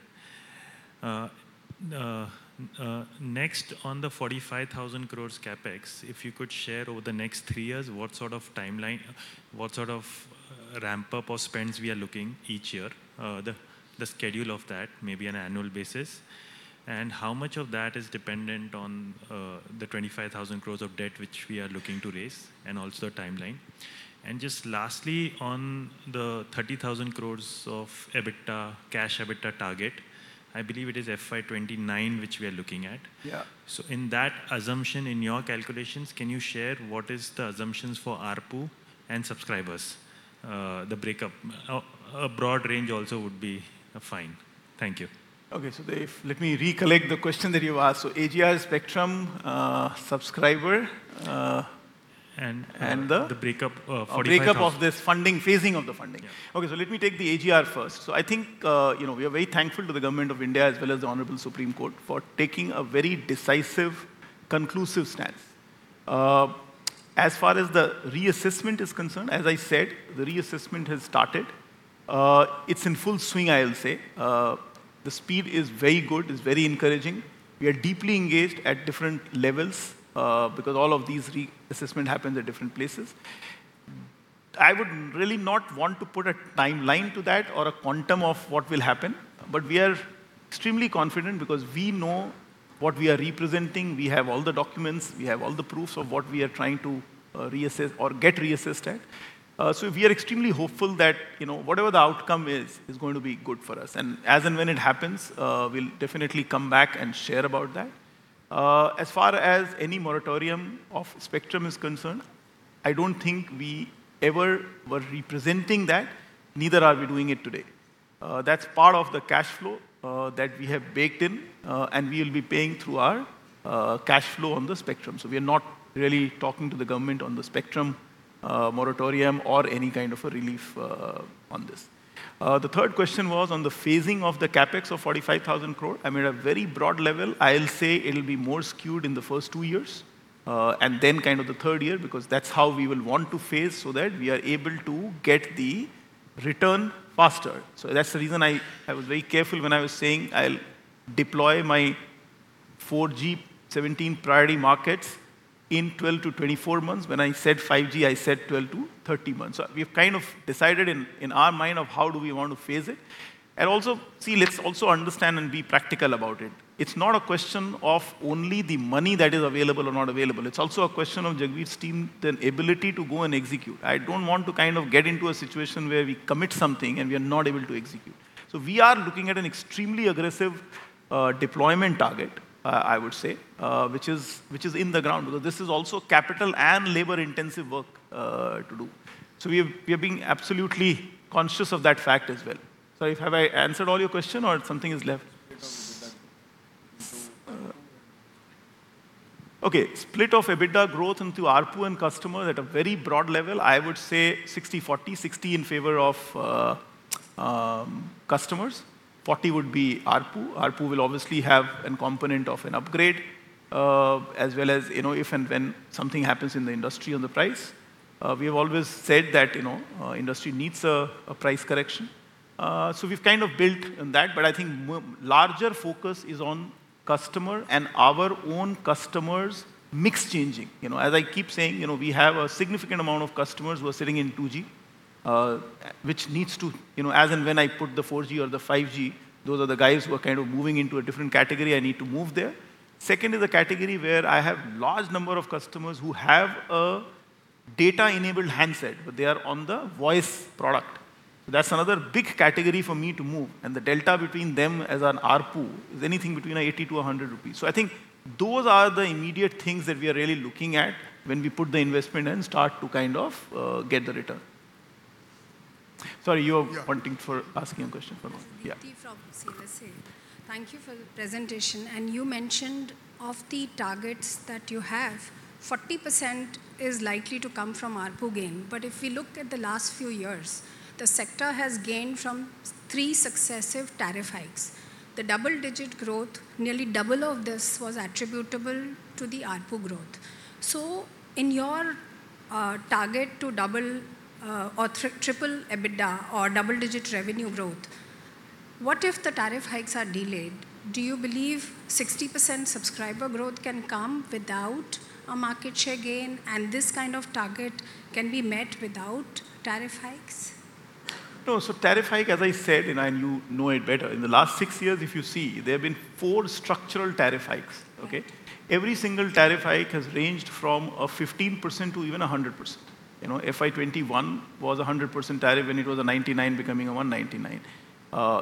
Next, on the 45,000 crore CapEx, if you could share over the next 3 years, what sort of timeline, what sort of ramp-up or spends we are looking each year, the schedule of that, maybe on an annual basis? And how much of that is dependent on the 25,000 crore of debt, which we are looking to raise, and also the timeline. Just lastly, on the 30,000 crore of EBITDA, cash EBITDA target, I believe it is FY 2029, which we are looking at. Yeah. In that assumption, in your calculations, can you share what is the assumptions for ARPU and subscribers? The breakup. Or a broad range also would be fine. Thank you. Okay, so Dave, let me recollect the question that you asked. So AGR, spectrum, subscriber, and the- The breakup of 45,000- A breakup of this funding, phasing of the funding. Yeah. Okay, so let me take the AGR first. So I think, you know, we are very thankful to the Government of India, as well as the Honorable Supreme Court of India, for taking a very decisive, conclusive stance. As far as the reassessment is concerned, as I said, the reassessment has started. It's in full swing, I will say. The speed is very good, it's very encouraging. We are deeply engaged at different levels, because all of these reassessments happen at different places. I would really not want to put a timeline to that or a quantum of what will happen, but we are extremely confident because we know what we are representing. We have all the documents, we have all the proofs of what we are trying to reassess or get reassessed. So we are extremely hopeful that, you know, whatever the outcome is, is going to be good for us, and as and when it happens, we'll definitely come back and share about that. As far as any moratorium of spectrum is concerned, I don't think we ever were representing that, neither are we doing it today. That's part of the cash flow that we have baked in, and we will be paying through our cash flow on the spectrum. So we are not really talking to the government on the spectrum moratorium or any kind of a relief on this. The third question was on the phasing of the CapEx of 45,000 crore. I mean, at a very broad level, I'll say it'll be more skewed in the first two years, and then kind of the third year, because that's how we will want to phase so that we are able to get the return faster. So that's the reason I was very careful when I was saying I'll deploy my 4G 17 priority markets in 12-24 months. When I said 5G, I said 12-13 months. So we've kind of decided in our mind of how do we want to phase it. And also, see, let's also understand and be practical about it. It's not a question of only the money that is available or not available. It's also a question of Jagbir's team, the ability to go and execute. I don't want to kind of get into a situation where we commit something, and we are not able to execute. So we are looking at an extremely aggressive deployment target, I would say, which is, which is in the ground, because this is also capital and labor-intensive work to do. So we are, we are being absolutely conscious of that fact as well. Sorry, have I answered all your question or something is left?... Okay, split of EBITDA growth into ARPU and customer, at a very broad level, I would say 60/40. 60 in favor of customers, 40 would be ARPU. ARPU will obviously have a component of an upgrade as well as, you know, if and when something happens in the industry on the price. We have always said that, you know, industry needs a price correction. So we've kind of built on that, but I think larger focus is on customer and our own customers' mix changing. You know, as I keep saying, you know, we have a significant amount of customers who are sitting in 2G, which needs to... You know, as and when I put the 4G or the 5G, those are the guys who are kind of moving into a different category, I need to move there. Second is a category where I have a large number of customers who have a data-enabled handset, but they are on the voice product. That's another big category for me to move, and the delta between them as an ARPU is anything between 80-100 rupees. So I think those are the immediate things that we are really looking at when we put the investment and start to kind of, get the return. Sorry, you are- Yeah... pointing for asking a question for now. Yeah. From CLSA. Thank you for the presentation, and you mentioned of the targets that you have, 40% is likely to come from ARPU gain. But if we look at the last few years, the sector has gained from three successive tariff hikes. The double-digit growth, nearly double of this, was attributable to the ARPU growth. So in your target to double or triple EBITDA or double-digit revenue growth, what if the tariff hikes are delayed? Do you believe 60% subscriber growth can come without a market share gain, and this kind of target can be met without tariff hikes? No, so tariff hike, as I said, and I know it better, in the last six years, if you see, there have been four structural tariff hikes, okay? Yeah. Every single tariff hike has ranged from 15% to even 100%. You know, FY 2021 was a 100% tariff when it was a 99 becoming a 199.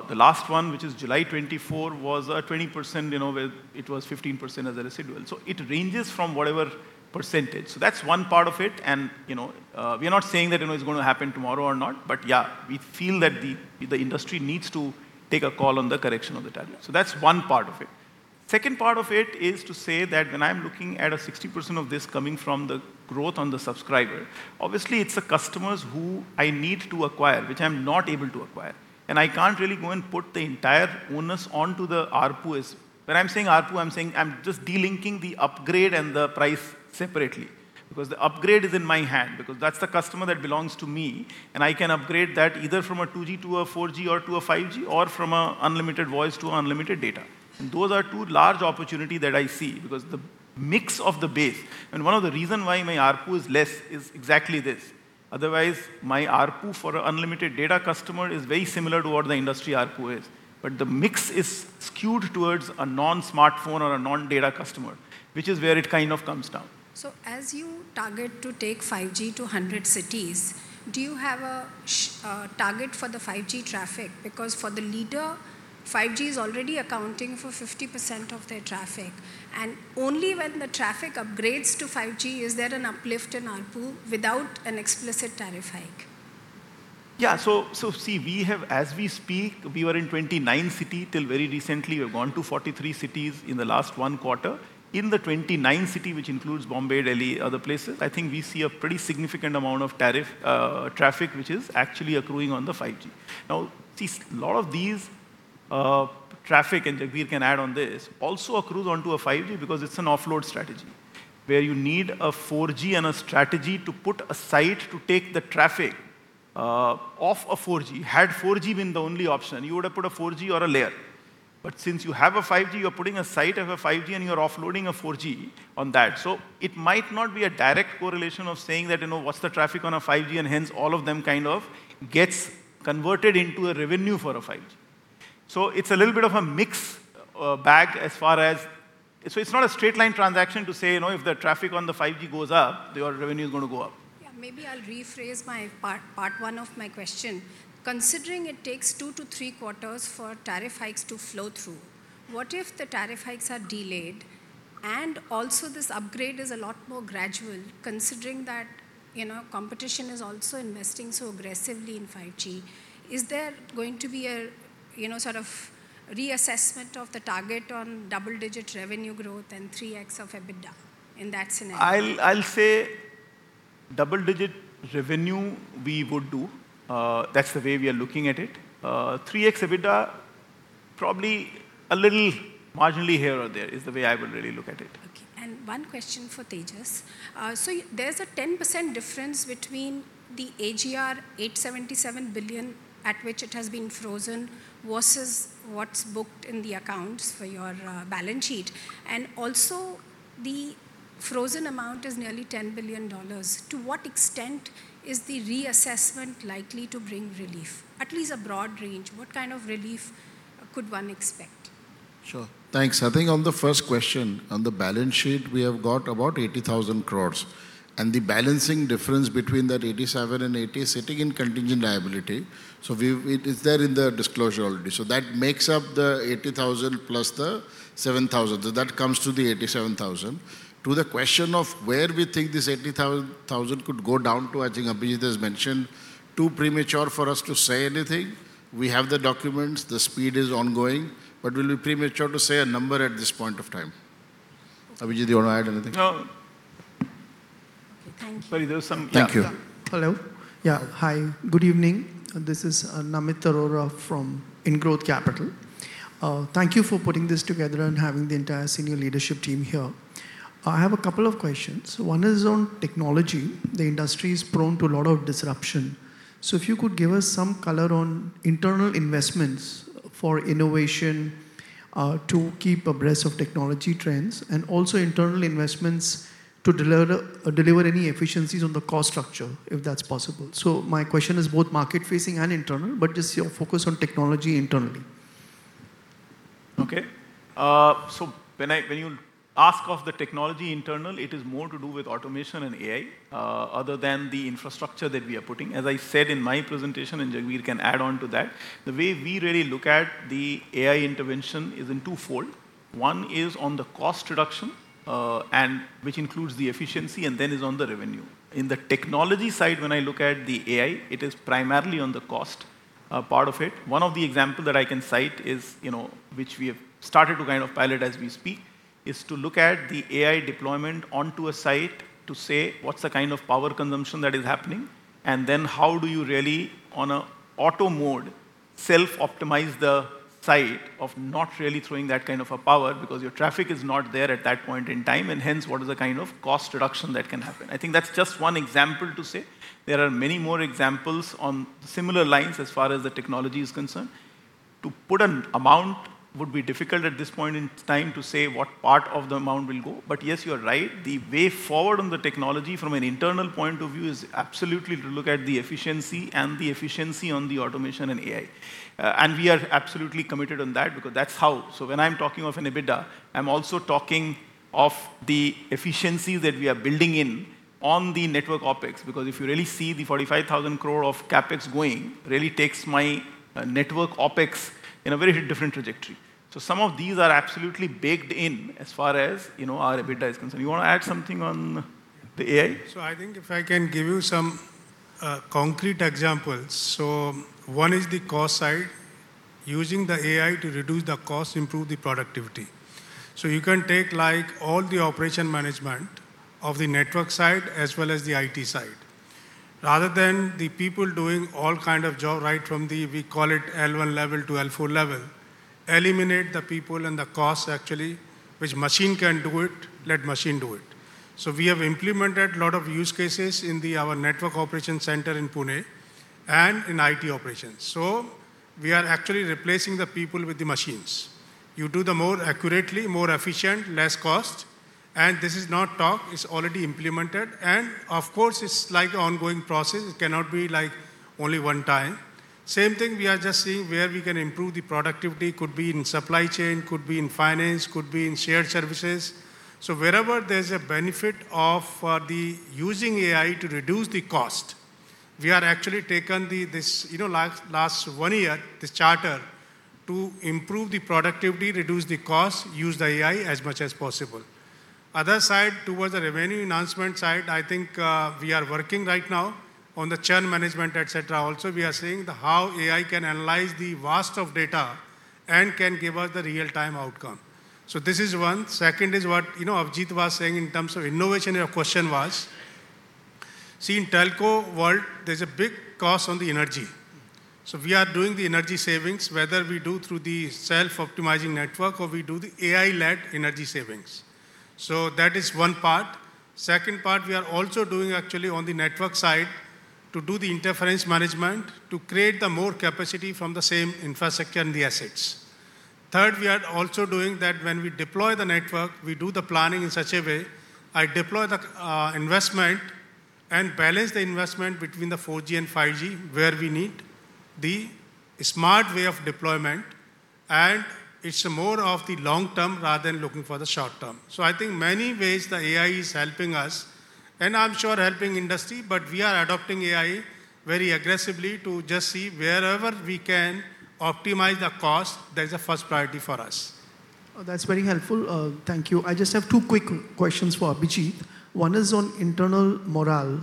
The last one, which is July 2024, was 20%, you know, where it was 15% as a residual. So it ranges from whatever percentage. So that's one part of it and, you know, we are not saying that, you know, it's gonna happen tomorrow or not, but yeah, we feel that the, the industry needs to take a call on the correction of the tariff. So that's one part of it. Second part of it is to say that when I'm looking at 60% of this coming from the growth on the subscriber, obviously it's the customers who I need to acquire, which I'm not able to acquire. I can't really go and put the entire onus onto the ARPU is... When I'm saying ARPU, I'm saying I'm just de-linking the upgrade and the price separately, because the upgrade is in my hand, because that's the customer that belongs to me, and I can upgrade that either from a 2G to a 4G or to a 5G, or from a unlimited voice to unlimited data. And those are two large opportunity that I see, because the mix of the base- and one of the reason why my ARPU is less is exactly this. Otherwise, my ARPU for a unlimited data customer is very similar to what the industry ARPU is, but the mix is skewed towards a non-smartphone or a non-data customer, which is where it kind of comes down. So as you target to take 5G to 100 cities, do you have a target for the 5G traffic? Because for the leader, 5G is already accounting for 50% of their traffic, and only when the traffic upgrades to 5G is there an uplift in ARPU without an explicit tariff hike?... Yeah, so, so see, we have, as we speak, we were in 29 cities till very recently. We have gone to 43 cities in the last one quarter. In the 29 cities, which includes Bombay, Delhi, other places, I think we see a pretty significant amount of tariff traffic, which is actually accruing on the 5G. Now, these, lot of these traffic, and Jagbir can add on this, also accrues onto a 5G because it's an offload strategy, where you need a 4G and a strategy to put a site to take the traffic off a 4G. Had 4G been the only option, you would have put a 4G or a layer. But since you have a 5G, you're putting a site of a 5G, and you're offloading a 4G on that. So it might not be a direct correlation of saying that, you know, what's the traffic on a 5G, and hence all of them kind of gets converted into a revenue for a 5G. So it's a little bit of a mix bag as far as... So it's not a straight line transaction to say, you know, if the traffic on the 5G goes up, your revenue is gonna go up. Yeah, maybe I'll rephrase my part, part one of my question. Considering it takes 2 to 3 quarters for tariff hikes to flow through, what if the tariff hikes are delayed, and also this upgrade is a lot more gradual, considering that, you know, competition is also investing so aggressively in 5G? Is there going to be a, you know, sort of reassessment of the target on double-digit revenue growth and 3x EBITDA in that scenario? I'll say double-digit revenue we would do. That's the way we are looking at it. 3x EBITDA, probably a little marginally here or there is the way I would really look at it. Okay. And one question for Tejas. So there's a 10% difference between the AGR 877 billion, at which it has been frozen, versus what's booked in the accounts for your balance sheet. And also, the frozen amount is nearly $10 billion. To what extent is the reassessment likely to bring relief? At least a broad range, what kind of relief could one expect? Sure. Thanks. I think on the first question, on the balance sheet, we have got about 80,000 crore, and the balancing difference between that 87,000 and 80,000 is sitting in contingent liability. So we, it is there in the disclosure already. So that makes up the 80,000 plus the 7,000. So that comes to the 87,000. To the question of where we think this 80,000 could go down to, I think Abhijit has mentioned, too premature for us to say anything. We have the documents, the discussions are ongoing, but it will be premature to say a number at this point of time. Abhijit, do you want to add anything? No. Okay, thank you. Sorry. Thank you. Hello? Yeah. Hi, good evening. This is Namit Arora from IndGrowth Capital. Thank you for putting this together and having the entire senior leadership team here. I have a couple of questions. One is on technology. The industry is prone to a lot of disruption. So if you could give us some color on internal investments for innovation to keep abreast of technology trends, and also internal investments to deliver any efficiencies on the cost structure, if that's possible. So my question is both market facing and internal, but just your focus on technology internally. Okay. So when I, when you ask of the technology internal, it is more to do with automation and AI, other than the infrastructure that we are putting. As I said in my presentation, and Jagbir can add on to that, the way we really look at the AI intervention is in twofold. One is on the cost reduction, and which includes the efficiency, and then is on the revenue. In the technology side, when I look at the AI, it is primarily on the cost, part of it. One of the example that I can cite is, you know, which we have started to kind of pilot as we speak, is to look at the AI deployment onto a site to say, what's the kind of power consumption that is happening? And then how do you really, on a auto mode, self-optimize the site of not really throwing that kind of a power because your traffic is not there at that point in time, and hence, what is the kind of cost reduction that can happen? I think that's just one example to say. There are many more examples on similar lines as far as the technology is concerned. To put an amount would be difficult at this point in time to say what part of the amount will go. But yes, you are right. The way forward on the technology from an internal point of view is absolutely to look at the efficiency and the efficiency on the automation and AI. And we are absolutely committed on that because that's how... So when I'm talking of an EBITDA, I'm also talking of the efficiency that we are building in on the network OpEx, because if you really see the 45,000 crore of CapEx going, really takes my network OpEx in a very different trajectory. So some of these are absolutely baked in as far as, you know, our EBITDA is concerned. You want to add something on the AI? So I think if I can give you some concrete examples. So one is the cost side, using the AI to reduce the cost, improve the productivity. So you can take, like, all the operation management of the network side as well as the IT side. Rather than the people doing all kind of job right from the, we call it L1 level to L4 level, eliminate the people and the cost actually, which machine can do it, let machine do it. So we have implemented a lot of use cases in the, our network operation center in Pune and in IT operations. So we are actually replacing the people with the machines. You do the more accurately, more efficient, less cost, and this is not talk, it's already implemented. And of course, it's like ongoing process, it cannot be like only one time. Same thing, we are just seeing where we can improve the productivity, could be in supply chain, could be in finance, could be in shared services. So wherever there's a benefit of using AI to reduce the cost, we are actually taking this, you know, last one year, this charter, to improve the productivity, reduce the cost, use the AI as much as possible. ... Other side, towards the revenue enhancement side, I think, we are working right now on the churn management, et cetera. Also, we are seeing the how AI can analyze the vast of data and can give us the real-time outcome. So this is one. Second is what, you know, Abhijit was saying in terms of innovation, your question was. See, in telco world, there's a big cost on the energy. So we are doing the energy savings, whether we do through the self-optimizing network or we do the AI-led energy savings. So that is one part. Second part, we are also doing actually on the network side to do the interference management, to create the more capacity from the same infrastructure and the assets. Third, we are also doing that when we deploy the network, we do the planning in such a way, I deploy the investment and balance the investment between the 4G and 5G, where we need the smart way of deployment, and it's more of the long term rather than looking for the short term. So I think many ways the AI is helping us, and I'm sure helping industry, but we are adopting AI very aggressively to just see wherever we can optimize the cost, that is a first priority for us. Oh, that's very helpful. Thank you. I just have two quick questions for Abhijit. One is on internal morale,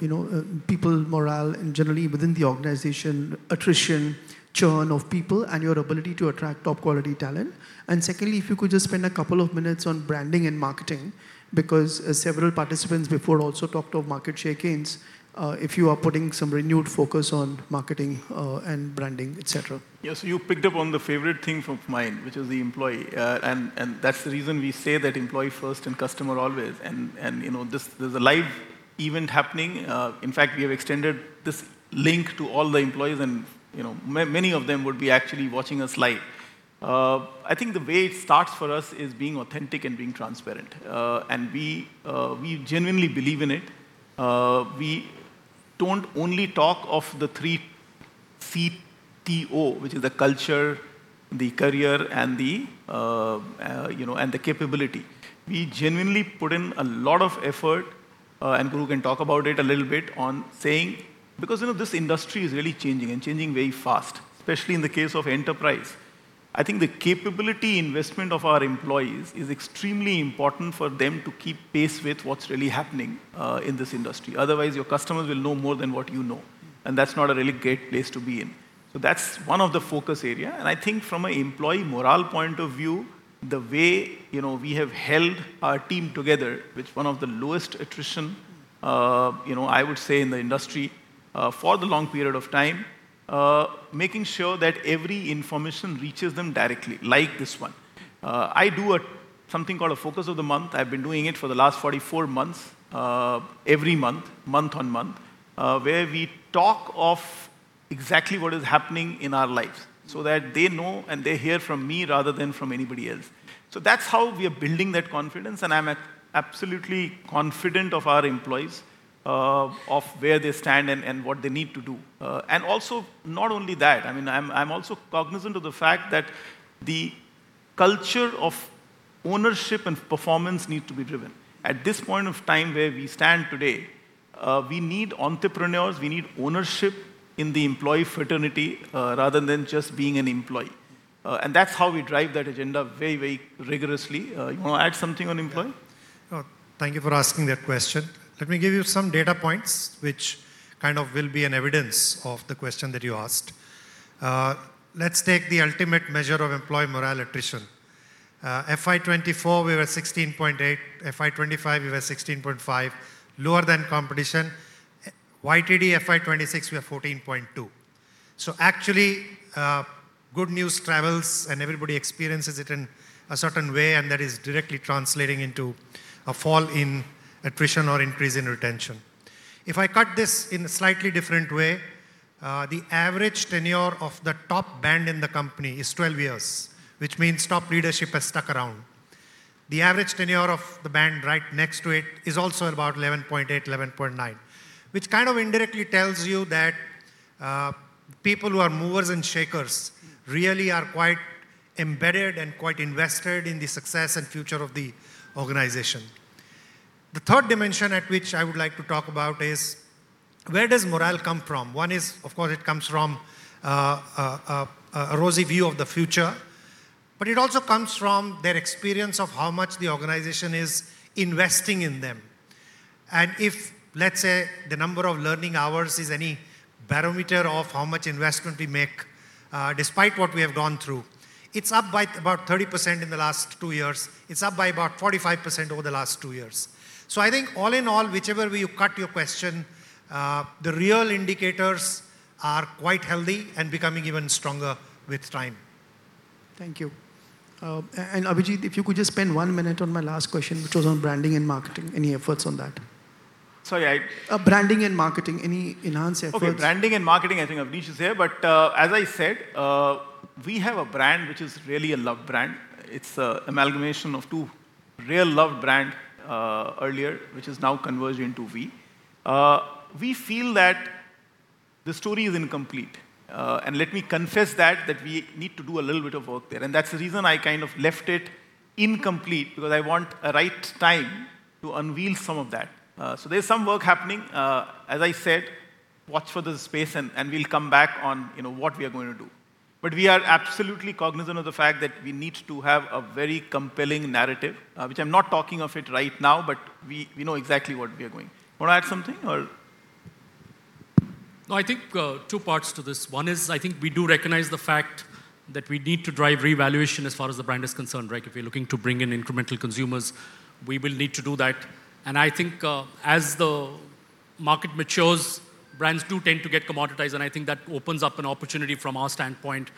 you know, people morale and generally within the organization, attrition, churn of people, and your ability to attract top-quality talent. And secondly, if you could just spend a couple of minutes on branding and marketing, because several participants before also talked of market share gains, if you are putting some renewed focus on marketing, and branding, et cetera. Yes, you picked up on the favorite thing from mine, which is the employee. And, and that's the reason we say that employee first and customer always. And, and, you know, this, there's a live event happening. In fact, we have extended this link to all the employees and, you know, many of them would be actually watching us live. I think the way it starts for us is being authentic and being transparent, and we, we genuinely believe in it. We don't only talk of the three Cs, which is the culture, the career, and the, you know, and the capability. We genuinely put in a lot of effort, and Guru can talk about it a little bit on saying... Because, you know, this industry is really changing and changing very fast, especially in the case of enterprise. I think the capability investment of our employees is extremely important for them to keep pace with what's really happening, in this industry. Otherwise, your customers will know more than what you know, and that's not a really great place to be in. So that's one of the focus area. And I think from an employee morale point of view, the way, you know, we have held our team together, which one of the lowest attrition, you know, I would say in the industry, for the long period of time, making sure that every information reaches them directly, like this one. I do a something called a focus of the month. I've been doing it for the last 44 months, every month, month on month, where we talk of exactly what is happening in our lives so that they know and they hear from me rather than from anybody else. So that's how we are building that confidence, and I'm absolutely confident of our employees, of where they stand and what they need to do. And also, not only that, I mean, I'm also cognizant of the fact that the culture of ownership and performance need to be driven. At this point of time where we stand today, we need entrepreneurs, we need ownership in the employee fraternity, rather than just being an employee. And that's how we drive that agenda very, very rigorously. You want to add something on employee? Thank you for asking that question. Let me give you some data points which kind of will be an evidence of the question that you asked. Let's take the ultimate measure of employee morale attrition. FY 2024, we were 16.8. FY 2025, we were 16.5, lower than competition. YTD FY 2026, we are 14.2. So actually, good news travels, and everybody experiences it in a certain way, and that is directly translating into a fall in attrition or increase in retention. If I cut this in a slightly different way, the average tenure of the top band in the company is 12 years, which means top leadership has stuck around. The average tenure of the band right next to it is also about 11.8, 11.9, which kind of indirectly tells you that people who are movers and shakers really are quite embedded and quite invested in the success and future of the organization. The third dimension at which I would like to talk about is: where does morale come from? One is, of course, it comes from a rosy view of the future, but it also comes from their experience of how much the organization is investing in them. And if, let's say, the number of learning hours is any barometer of how much investment we make, despite what we have gone through, it's up by about 30% in the last two years. It's up by about 45% over the last two years. So I think all in all, whichever way you cut your question, the real indicators are quite healthy and becoming even stronger with time. Thank you. Abhijit, if you could just spend one minute on my last question, which was on branding and marketing. Any efforts on that? Sorry, I- Branding and marketing, any enhanced efforts? Okay, branding and marketing, I think Abhijit is here, but, as I said, we have a brand which is really a loved brand. It's an amalgamation of two really loved brands earlier, which is now converged into Vi. We feel that the story is incomplete, and let me confess that we need to do a little bit of work there, and that's the reason I kind of left it incomplete, because I want the right time to unveil some of that. So there's some work happening. As I said, watch this space, and we'll come back on, you know, what we are going to do. But we are absolutely cognizant of the fact that we need to have a very compelling narrative, which I'm not talking about right now, but we know exactly what we are doing. Want to add something or? No, I think, two parts to this. One is, I think we do recognize the fact that we need to drive revaluation as far as the brand is concerned, right? If we're looking to bring in incremental consumers, we will need to do that. And I think, as the market matures, brands do tend to get commoditized, and I think that opens up an opportunity from our standpoint,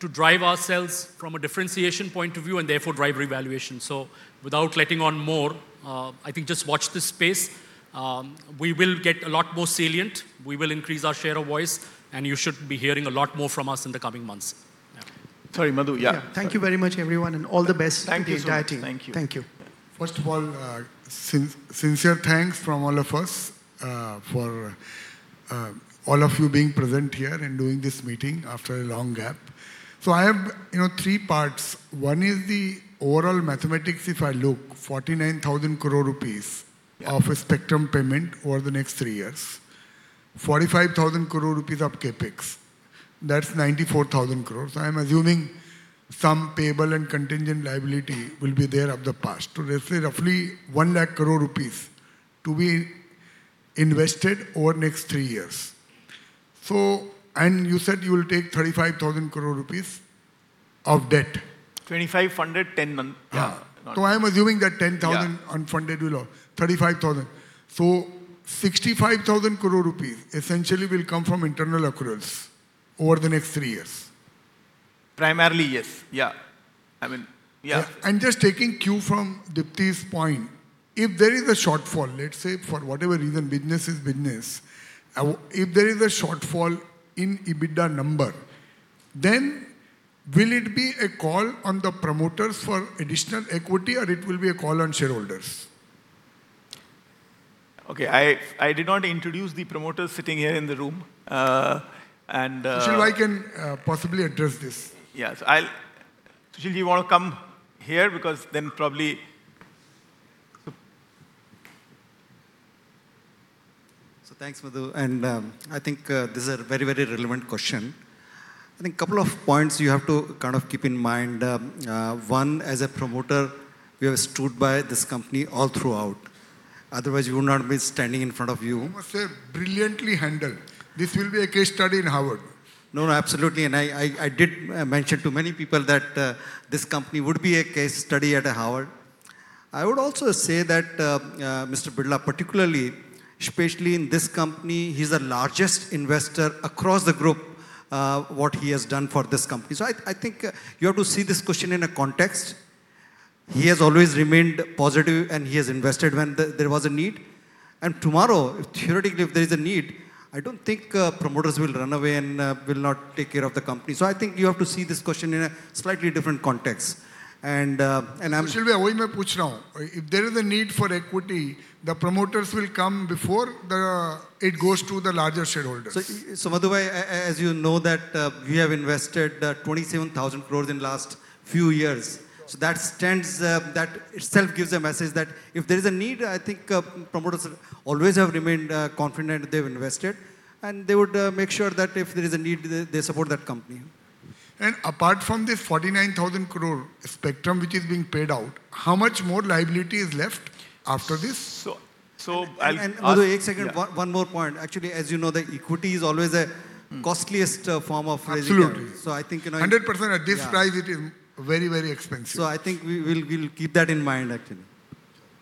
to drive ourselves from a differentiation point of view, and therefore drive revaluation. So without letting on more, I think just watch this space. We will get a lot more salient. We will increase our share of voice, and you should be hearing a lot more from us in the coming months. Yeah. Sorry, Madhu, yeah. Yeah. Thank you very much, everyone, and all the best. Thank you... to the entire team. Thank you. Thank you. First of all, sincere thanks from all of us, for all of you being present here and doing this meeting after a long gap. So I have, you know, three parts. One is the overall mathematics. If I look, 49,000 crore rupees- Yeah... of a spectrum payment over the next three years, 45,000 crore rupees of CapEx, that's 94,000 crore. I'm assuming some payable and contingent liability will be there of the past. So let's say roughly 100,000 crore rupees to be invested over next three years. So... And you said you will take 35,000 crore rupees of debt. 25 funded, 10 month, yeah. Yeah. So I'm assuming that 10,000- Yeah... unfunded will all 35,000. So 65,000 crore rupees essentially will come from internal accruals over the next three years? Primarily, yes. Yeah. I mean, yeah. And just taking cue from Dipti's point, if there is a shortfall, let's say, for whatever reason, business is business. If there is a shortfall in EBITDA number, then will it be a call on the promoters for additional equity or it will be a call on shareholders? Okay, I did not introduce the promoter sitting here in the room, and- Sushil, I can possibly address this. Yeah. So I'll... Sushil, you want to come here? Because then probably... So thanks, Madhu, and I think this is a very, very relevant question. I think a couple of points you have to kind of keep in mind. One, as a promoter, we have stood by this company all throughout. Otherwise, we would not be standing in front of you. I must say, brilliantly handled. This will be a case study in Harvard. No, absolutely, and I did mention to many people that this company would be a case study at Harvard. I would also say that Mr. Birla, particularly, especially in this company, he's the largest investor across the group, what he has done for this company. So I think you have to see this question in a context. He has always remained positive, and he has invested when there was a need. And tomorrow, theoretically, if there is a need, I don't think promoters will run away and will not take care of the company. So I think you have to see this question in a slightly different context. And, and I'm- Sushil, wahi main puch raha hoon. If there is a need for equity, the promoters will come before the, it goes to the larger shareholders. So, by the way, as you know that we have invested 27,000 crore in last few years. Yeah. So that stands, that itself gives a message that if there is a need, I think, promoters always have remained confident they've invested, and they would make sure that if there is a need, they support that company. Apart from this 49,000 crore spectrum which is being paid out, how much more liability is left after this? So, I'll- And Madhu, one second- Yeah... one more point. Actually, as you know, the equity is always the costliest form of raising- Absolutely... so I think, you know- Hundred percent- Yeah... at this price, it is very, very expensive. I think we will, we'll keep that in mind, actually.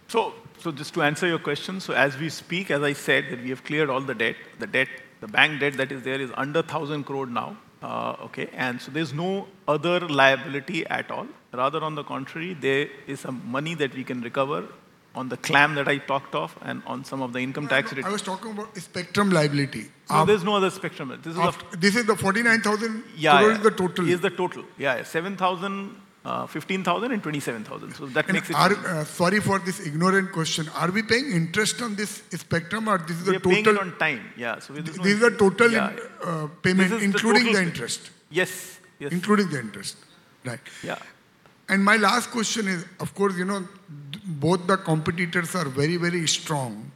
So, so just to answer your question, so as we speak, as I said, that we have cleared all the debt. The debt, the bank debt that is there is under 1,000 crore now. Okay, and so there's no other liability at all. Rather on the contrary, there is some money that we can recover on the claim that I talked of and on some of the income tax return. I was talking about spectrum liability. So there's no other spectrum. This is the- This is the 49,000- Yeah, yeah... crore is the total? Is the total, yeah. 7,000, 15,000 and 27,000. So that makes it- Sorry for this ignorant question. Are we paying interest on this spectrum, or this is the total- We are paying it on time. Yeah, so there's no- These are total- Yeah... payment- This is the total.... including the interest? Yes. Yes. Including the interest, right? Yeah. My last question is, of course, you know, both the competitors are very, very strong.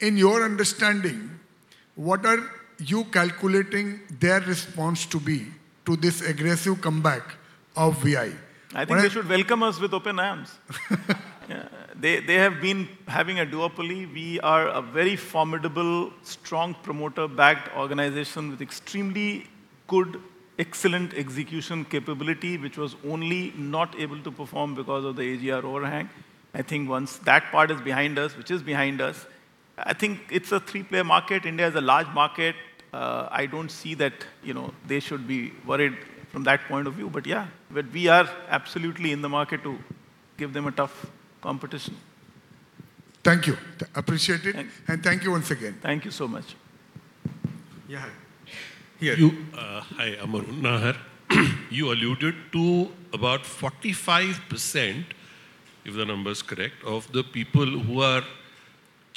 In your understanding, what are you calculating their response to be to this aggressive comeback of Vi, right? I think they should welcome us with open arms. Yeah, they, they have been having a duopoly. We are a very formidable, strong, promoter-backed organization with extremely good, excellent execution capability, which was only not able to perform because of the AGR overhang. I think once that part is behind us, which is behind us, I think it's a three-player market. India is a large market. I don't see that, you know, they should be worried from that point of view. But yeah, but we are absolutely in the market to give them a tough competition. Thank you. Appreciate it. Thanks. Thank you once again. Thank you so much. Yeah. Here. Hi, I'm Arun Nahar. You alluded to about 45%, if the number is correct, of the people who are-...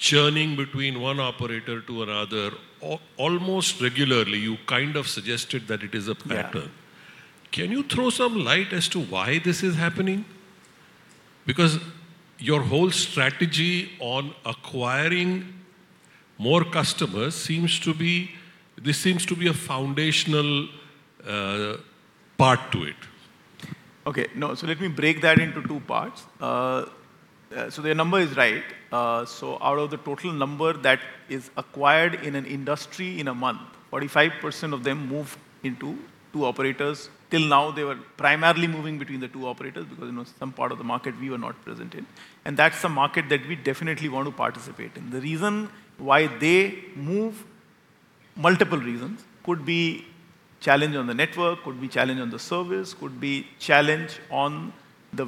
churning between one operator to another, almost regularly. You kind of suggested that it is a pattern. Yeah. Can you throw some light as to why this is happening? Because your whole strategy on acquiring more customers seems to be- this seems to be a foundational, part to it. Okay, no, so let me break that into two parts. So the number is right. So out of the total number that is acquired in an industry in a month, 45% of them move into two operators. Till now, they were primarily moving between the two operators because, you know, some part of the market we were not present in, and that's the market that we definitely want to participate in. The reason why they move, multiple reasons: could be challenge on the network, could be challenge on the service, could be challenge on the,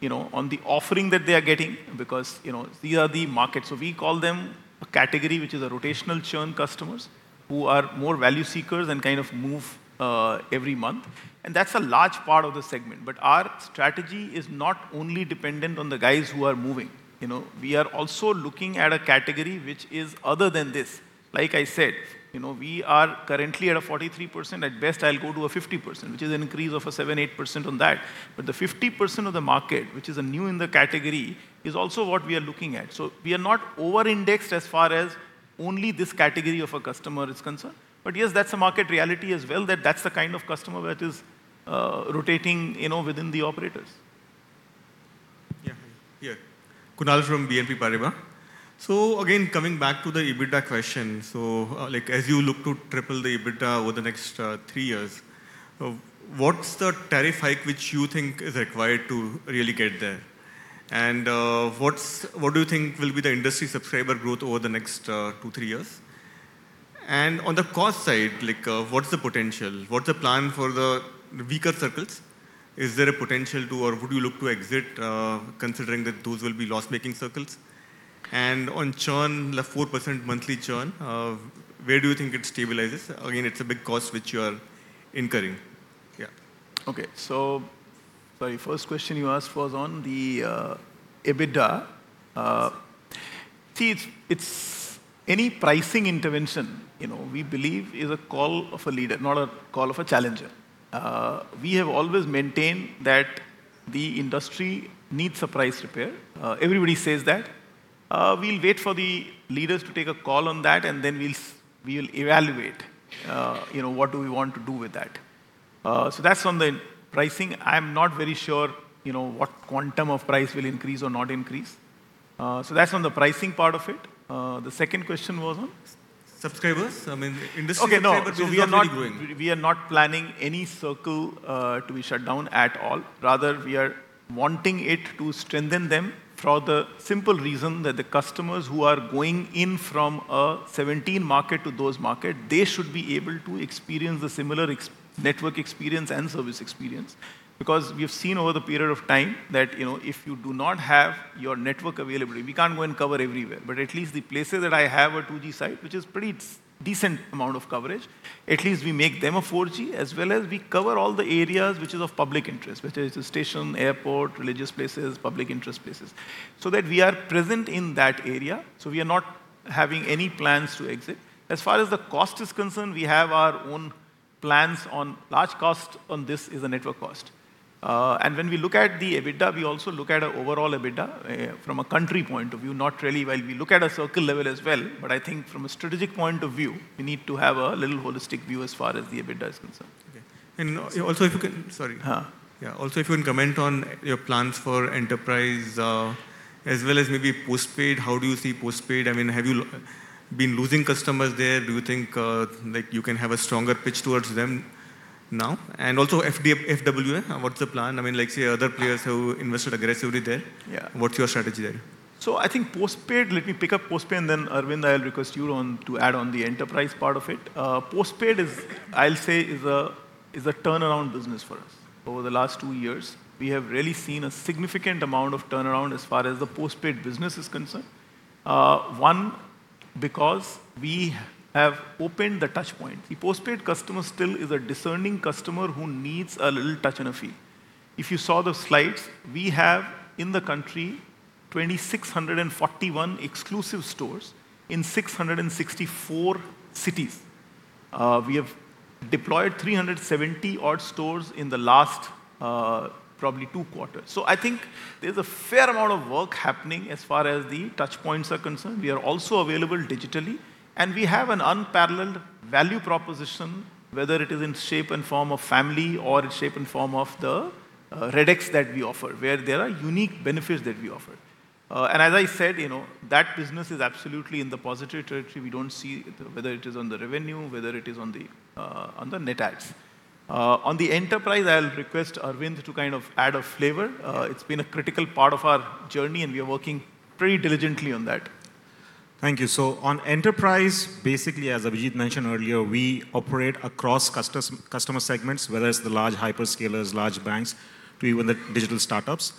you know, on the offering that they are getting, because, you know, these are the markets. So we call them a category, which is a rotational churn customers, who are more value seekers and kind of move every month, and that's a large part of the segment. But our strategy is not only dependent on the guys who are moving, you know? We are also looking at a category which is other than this. Like I said, you know, we are currently at a 43%. At best, I'll go to a 50%, which is an increase of a 7-8% on that. But the 50% of the market, which is a new in the category, is also what we are looking at. So we are not over-indexed as far as only this category of a customer is concerned. But yes, that's a market reality as well, that that's the kind of customer that is, rotating, you know, within the operators. Yeah. Yeah. Kunal from BNP Paribas. So again, coming back to the EBITDA question, so, like, as you look to triple the EBITDA over the next three years, what's the tariff hike which you think is required to really get there? And, what's... What do you think will be the industry subscriber growth over the next two, three years? And on the cost side, like, what's the potential? What's the plan for the weaker circles? Is there a potential to, or would you look to exit, considering that those will be loss-making circles? And on churn, the 4% monthly churn, where do you think it stabilizes? Again, it's a big cost which you are incurring. Yeah. Okay. So sorry, first question you asked was on the EBITDA. Yes... see, it's, it's any pricing intervention, you know, we believe is a call of a leader, not a call of a challenger. We have always maintained that the industry needs a price repair. Everybody says that. We'll wait for the leaders to take a call on that, and then we'll, we'll evaluate, you know, what do we want to do with that. So that's on the pricing. I'm not very sure, you know, what quantum of price will increase or not increase. So that's on the pricing part of it. The second question was on? Subscribers. I mean, industry- Okay, no- Subscriber will be growing. We are not, we are not planning any circle to be shut down at all. Rather, we are wanting it to strengthen them for the simple reason that the customers who are going in from a 17 market to those market, they should be able to experience the similar experience network experience and service experience. Because we've seen over the period of time that, you know, if you do not have your network availability, we can't go and cover everywhere, but at least the places that I have a 2G site, which is pretty decent amount of coverage, at least we make them a 4G, as well as we cover all the areas which is of public interest, whether it's a station, airport, religious places, public interest places, so that we are present in that area, so we are not having any plans to exit. As far as the cost is concerned, we have our own plans on large cost on this is a network cost. And when we look at the EBITDA, we also look at our overall EBITDA from a country point of view, not really. Well, we look at a circle level as well, but I think from a strategic point of view, we need to have a little holistic view as far as the EBITDA is concerned. Okay. And also, if you can... Sorry. Uh. Yeah. Also, if you can comment on your plans for enterprise, as well as maybe postpaid. How do you see postpaid? I mean, have you been losing customers there? Do you think, like, you can have a stronger pitch towards them now? And also, FWA, what's the plan? I mean, like, say, other players who invested aggressively there- Yeah... what's your strategy there? So I think postpaid, let me pick up postpaid, and then, Arvind, I will request you on to add on the enterprise part of it. Postpaid is, I'll say, a turnaround business for us. Over the last two years, we have really seen a significant amount of turnaround as far as the postpaid business is concerned. One, because we have opened the touch point. The postpaid customer still is a discerning customer who needs a little touch and a feel. If you saw the slides, we have, in the country, 2,641 exclusive stores in 664 cities. We have deployed 370-odd stores in the last, probably two quarters. So I think there's a fair amount of work happening as far as the touch points are concerned. We are also available digitally, and we have an unparalleled value proposition, whether it is in shape and form of family or in shape and form of the RedX that we offer, where there are unique benefits that we offer. And as I said, you know, that business is absolutely in the positive territory. We don't see, whether it is on the revenue, whether it is on the, on the net adds. On the enterprise, I'll request Arvind to kind of add a flavor. It's been a critical part of our journey, and we are working pretty diligently on that. Thank you. So on enterprise, basically, as Abhijit mentioned earlier, we operate across customer segments, whether it's the large hyperscalers, large banks, to even the digital startups....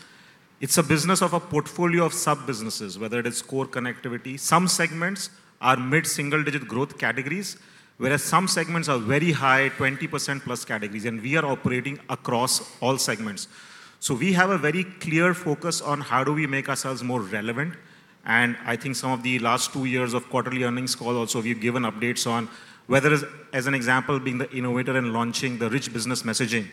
It's a business of a portfolio of sub-businesses, whether it is core connectivity. Some segments are mid-single-digit growth categories, whereas some segments are very high, 20%+ categories, and we are operating across all segments. So we have a very clear focus on how do we make ourselves more relevant, and I think some of the last two years of quarterly earnings call also, we've given updates on. Whether as, as an example, being the innovator in launching the Rich Business Messaging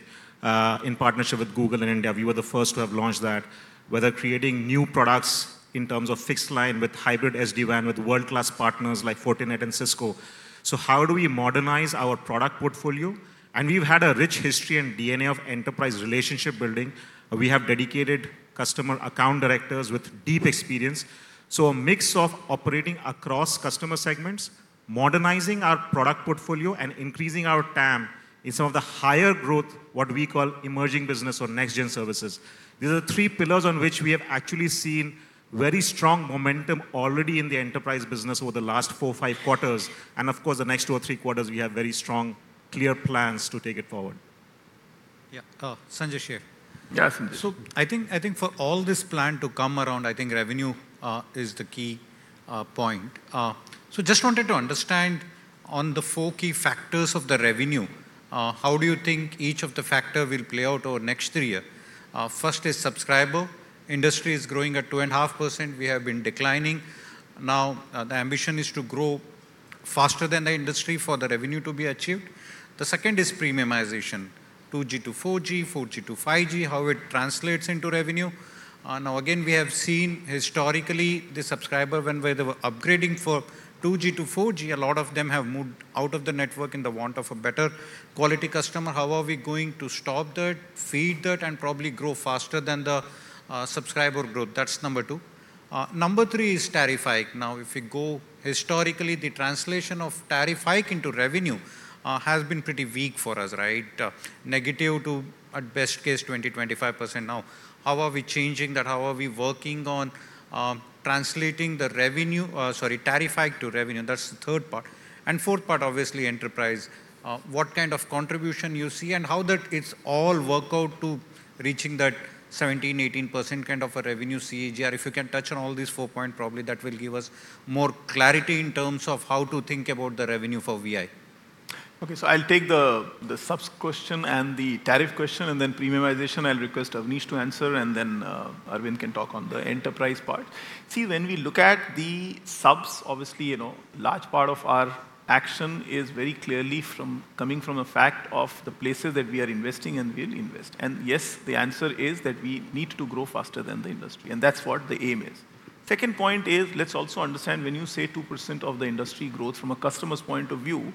in partnership with Google in India, we were the first to have launched that. Whether creating new products in terms of fixed line with hybrid SD-WAN, with world-class partners like Fortinet and Cisco. So how do we modernize our product portfolio? And we've had a rich history and DNA of enterprise relationship building. We have dedicated customer account directors with deep experience. A mix of operating across customer segments, modernizing our product portfolio, and increasing our TAM in some of the higher growth, what we call emerging business or next-gen services. These are the three pillars on which we have actually seen very strong momentum already in the enterprise business over the last 4, 5 quarters, and of course, the next 2 or 3 quarters, we have very strong, clear plans to take it forward. Yeah, Sanjesh. Yeah, Sanjay. So I think, I think for all this plan to come around, I think revenue is the key point. So just wanted to understand on the four key factors of the revenue, how do you think each of the factor will play out over next three year? First is subscriber. Industry is growing at 2.5%. We have been declining. Now, the ambition is to grow faster than the industry for the revenue to be achieved. The second is premiumization, 2G to 4G, 4G to 5G, how it translates into revenue. Now, again, we have seen historically, the subscriber, when they were upgrading for 2G to 4G, a lot of them have moved out of the network in the want of a better quality customer. How are we going to stop that, feed that, and probably grow faster than the subscriber growth? That's number two. Number three is tariff hike. Now, if we go historically, the translation of tariff hike into revenue has been pretty weak for us, right? Negative to, at best case, 20-25% now. How are we changing that? How are we working on translating the revenue... sorry, tariff hike to revenue? That's the third part. And fourth part, obviously, enterprise. What kind of contribution you see, and how that it's all work out to reaching that 17-18% kind of a revenue CAGR? If you can touch on all these four point, probably that will give us more clarity in terms of how to think about the revenue for VI. Okay, so I'll take the subs question and the tariff question, and then premiumization, I'll request Avneesh to answer, and then Arvind can talk on the enterprise part. See, when we look at the subs, obviously, you know, large part of our action is very clearly from coming from a fact of the places that we are investing and will invest. And yes, the answer is that we need to grow faster than the industry, and that's what the aim is. Second point is, let's also understand, when you say 2% of the industry growth from a customer's point of view,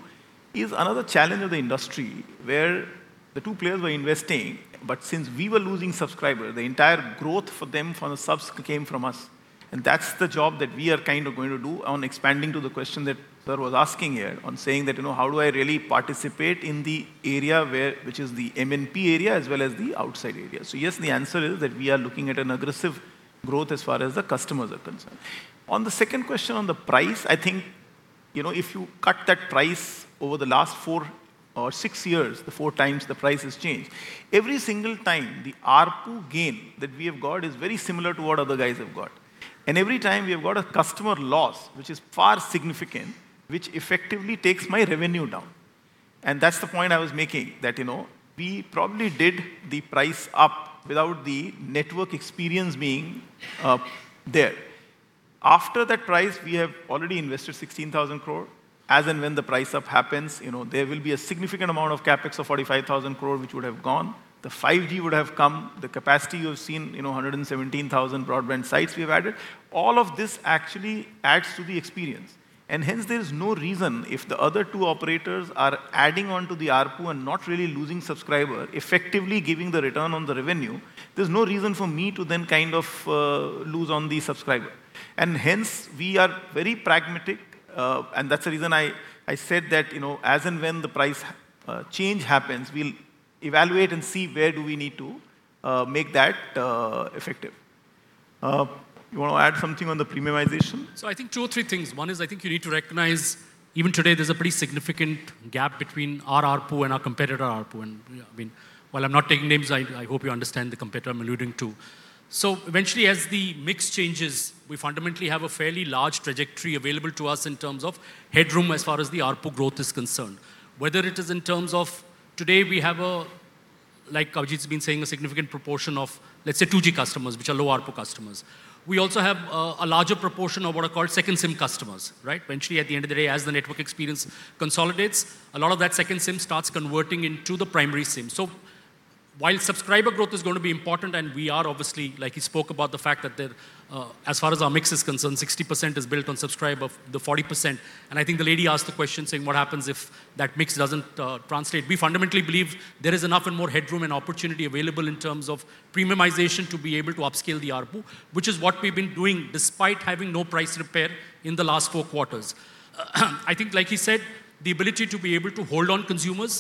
is another challenge of the industry, where the two players were investing, but since we were losing subscriber, the entire growth for them from the subs came from us. And that's the job that we are kind of going to do on expanding to the question that sir was asking here, on saying that, you know, "How do I really participate in the area where, which is the MNP area, as well as the outside area?" So yes, the answer is that we are looking at an aggressive growth as far as the customers are concerned. On the second question on the price, I think, you know, if you cut that price over the last 4 or 6 years, the 4 times the price has changed, every single time, the ARPU gain that we have got is very similar to what other guys have got. And every time we have got a customer loss, which is far significant, which effectively takes my revenue down. That's the point I was making, that, you know, we probably did the price up without the network experience being there. After that price, we have already invested 16,000 crore. As and when the price up happens, you know, there will be a significant amount of CapEx of 45,000 crore, which would have gone. The 5G would have come. The capacity you've seen, you know, 117,000 broadband sites we've added. All of this actually adds to the experience. And hence, there is no reason, if the other two operators are adding on to the ARPU and not really losing subscriber, effectively giving the return on the revenue, there's no reason for me to then kind of lose on the subscriber. And hence, we are very pragmatic, and that's the reason I said that, you know, as and when the price change happens, we'll evaluate and see where do we need to make that effective. You want to add something on the premiumization? I think 2 or 3 things. One is, I think you need to recognize, even today, there's a pretty significant gap between our ARPU and our competitor ARPU, and, I mean, while I'm not taking names, I hope you understand the competitor I'm alluding to. So eventually, as the mix changes, we fundamentally have a fairly large trajectory available to us in terms of headroom as far as the ARPU growth is concerned. Whether it is in terms of today, we have a, like Abhijit been saying, a significant proportion of, let's say, 2G customers, which are low-ARPU customers. We also have a larger proportion of what are called second SIM customers, right? Eventually, at the end of the day, as the network experience consolidates, a lot of that second SIM starts converting into the primary SIM. So while subscriber growth is going to be important, and we are obviously... like he spoke about the fact that the, as far as our mix is concerned, 60% is built on subscriber, the 40%. And I think the lady asked the question, saying: "What happens if that mix doesn't translate?" We fundamentally believe there is enough and more headroom and opportunity available in terms of premiumization to be able to upscale the ARPU, which is what we've been doing despite having no price repair in the last four quarters. I think like he said, the ability to be able to hold on consumers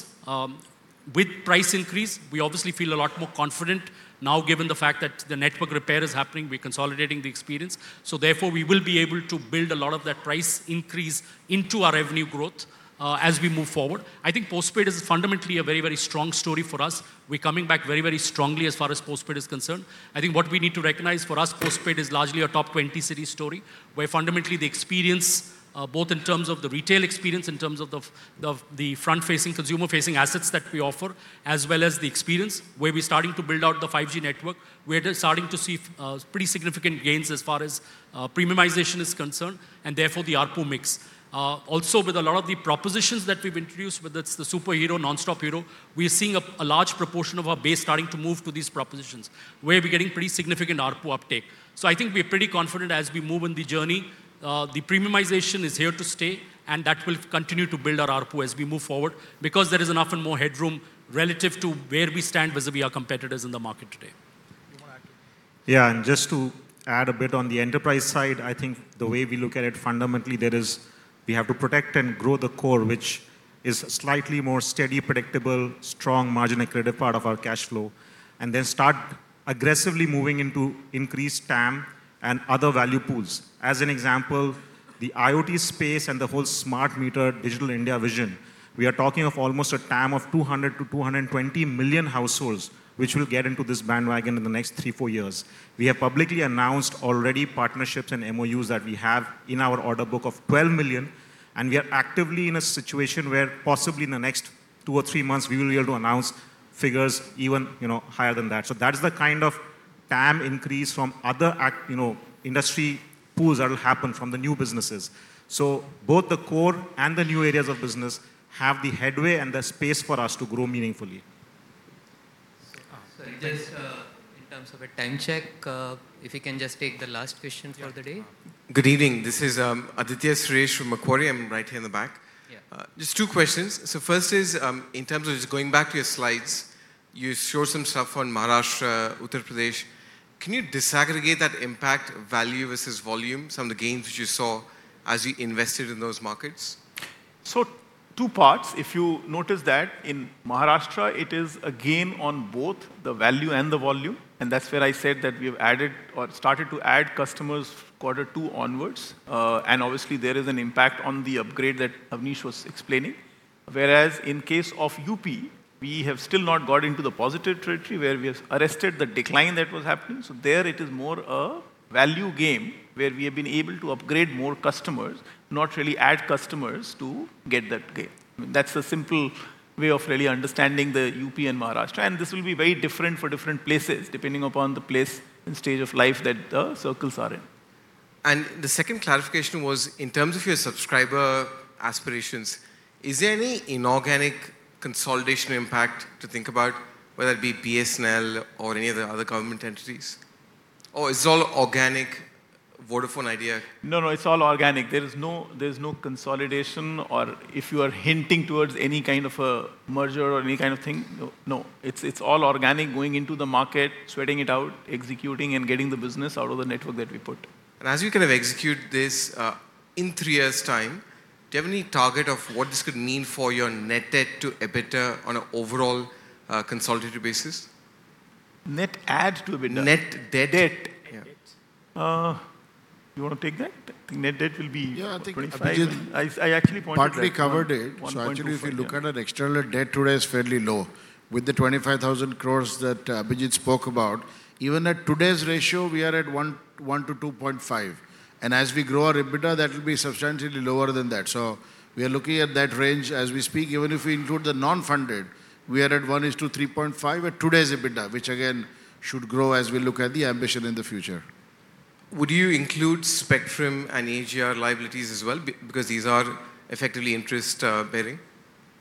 with price increase, we obviously feel a lot more confident now, given the fact that the network repair is happening, we're consolidating the experience. So therefore, we will be able to build a lot of that price increase into our revenue growth as we move forward. I think postpaid is fundamentally a very, very strong story for us. We're coming back very, very strongly as far as postpaid is concerned. I think what we need to recognize for us, postpaid is largely a top twenty city story, where fundamentally the experience, both in terms of the retail experience, in terms of the, the, the front-facing, consumer-facing assets that we offer, as well as the experience, where we're starting to build out the 5G network. We're starting to see, pretty significant gains as far as, premiumization is concerned, and therefore, the ARPU mix. Also, with a lot of the propositions that we've introduced, whether it's the superhero, nonstop hero, we are seeing a large proportion of our base starting to move to these propositions, where we're getting pretty significant ARPU uptake. So I think we're pretty confident as we move in the journey. The premiumization is here to stay, and that will continue to build our ARPU as we move forward because there is enough and more headroom relative to where we stand vis-a-vis our competitors in the market today. You want to add to that? Yeah, and just to add a bit on the enterprise side, I think the way we look at it, fundamentally, there is we have to protect and grow the core, which is slightly more steady, predictable, strong, margin accretive part of our cash flow, and then start aggressively moving into increased TAM and other value pools. As an example, the IoT space and the whole smart meter Digital India vision, we are talking of almost a TAM of 200-220 million households, which will get into this bandwagon in the next 3-4 years. We have publicly announced already partnerships and MOUs that we have in our order book of 12 million, and we are actively in a situation where possibly in the next 2-3 months, we will be able to announce figures even, you know, higher than that. So that is the kind of TAM increase from other you know, industry pools that will happen from the new businesses. So both the core and the new areas of business have the headway and the space for us to grow meaningfully. Just in terms of a time check, if you can just take the last question for the day. Good evening. This is Aditya Suresh from Macquarie. I'm right here in the back. Yeah. Just two questions. So first is, in terms of just going back to your slides, you show some stuff on Maharashtra, Uttar Pradesh. Can you disaggregate that impact value versus volume, some of the gains which you saw as you invested in those markets? So two parts. If you notice that in Maharashtra, it is a game on both the value and the volume, and that's where I said that we have added or started to add customers quarter two onwards. And obviously, there is an impact on the upgrade that Avneesh was explaining. Whereas in case of UP, we have still not got into the positive territory where we have arrested the decline that was happening. So there it is more a value game where we have been able to upgrade more customers, not really add customers to get that gain. That's a simple way of really understanding the UP and Maharashtra, and this will be very different for different places, depending upon the place and stage of life that the circles are in. The second clarification was, in terms of your subscriber aspirations, is there any inorganic consolidation impact to think about, whether it be BSNL or any of the other government entities? Or is this all organic Vodafone Idea? No, no, it's all organic. There is no, there's no consolidation, or if you are hinting towards any kind of a merger or any kind of thing, no, no. It's, it's all organic, going into the market, sweating it out, executing, and getting the business out of the network that we put. As you kind of execute this, in three years' time, do you have any target of what this could mean for your net debt to EBITDA on an overall, consolidated basis? Net add to EBITDA? Net debt. Debt. Yeah. You want to take that? I think net debt will be- Yeah, I think Abhijit- I actually pointed that- Partly covered it. 1.2, yeah. So actually, if you look at our external debt today is fairly low. With the 25,000 crore that Abhijit spoke about, even at today's ratio, we are at 1:1 to 2.5. And as we grow our EBITDA, that will be substantially lower than that. So we are looking at that range as we speak. Even if we include the non-funded, we are at 1:3.5 at today's EBITDA, which again, should grow as we look at the ambition in the future. Would you include spectrum and AGR liabilities as well, because these are effectively interest bearing?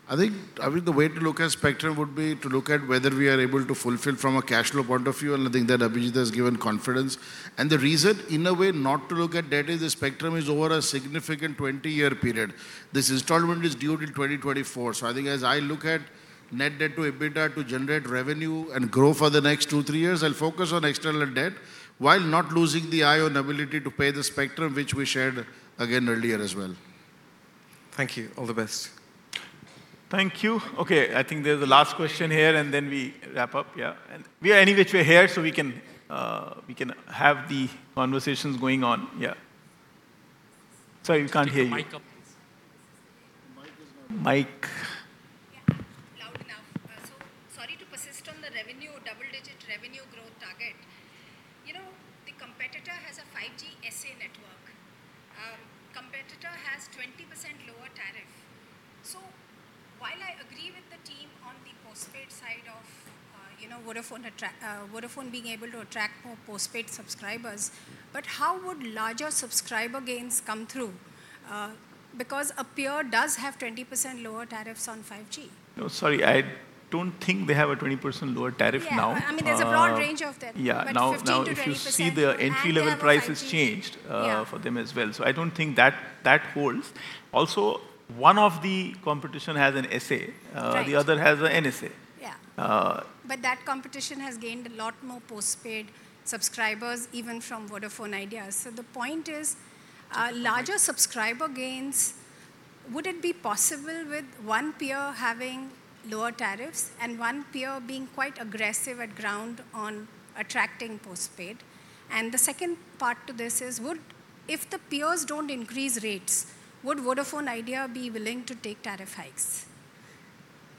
I think, I think the way to look at spectrum would be to look at whether we are able to fulfill from a cash flow point of view, and I think that Abhijit has given confidence. And the reason, in a way, not to look at debt is the spectrum is over a significant 20-year period. This installment is due till 2024. So I think as I look at net debt to EBITDA to generate revenue and grow for the next 2-3 years, I'll focus on external debt while not losing an eye on ability to pay the spectrum, which we shared again earlier as well. Thank you. All the best. Thank you. Okay, I think there's the last question here, and then we wrap up. Yeah. And we are anyway here, so we can, we can have the conversations going on. Yeah. Sorry, we can't hear you. Put the mic up, please. The mic is not- Mic. Yeah, loud enough. So sorry to persist on the revenue, double-digit revenue growth target. You know, the competitor has a 5G SA network. Competitor has 20% lower tariff. So while I agree with the team on the postpaid side of, you know, Vodafone being able to attract more postpaid subscribers, but how would larger subscriber gains come through? Because a peer does have 20% lower tariffs on 5G. No, sorry, I don't think they have a 20% lower tariff now. Yeah, I mean, there's a broad range of tariff- Yeah... but 15%-20%- Now, now if you see the entry level prices changed- Yeah... for them as well. So I don't think that, that holds. Also, one of the competition has an SA- Right... the other has a NSA.... But that competition has gained a lot more postpaid subscribers, even from Vodafone Idea. So the point is, larger subscriber gains—would it be possible with one peer having lower tariffs and one peer being quite aggressive on the ground on attracting postpaid? And the second part to this is, if the peers don't increase rates, would Vodafone Idea be willing to take tariff hikes?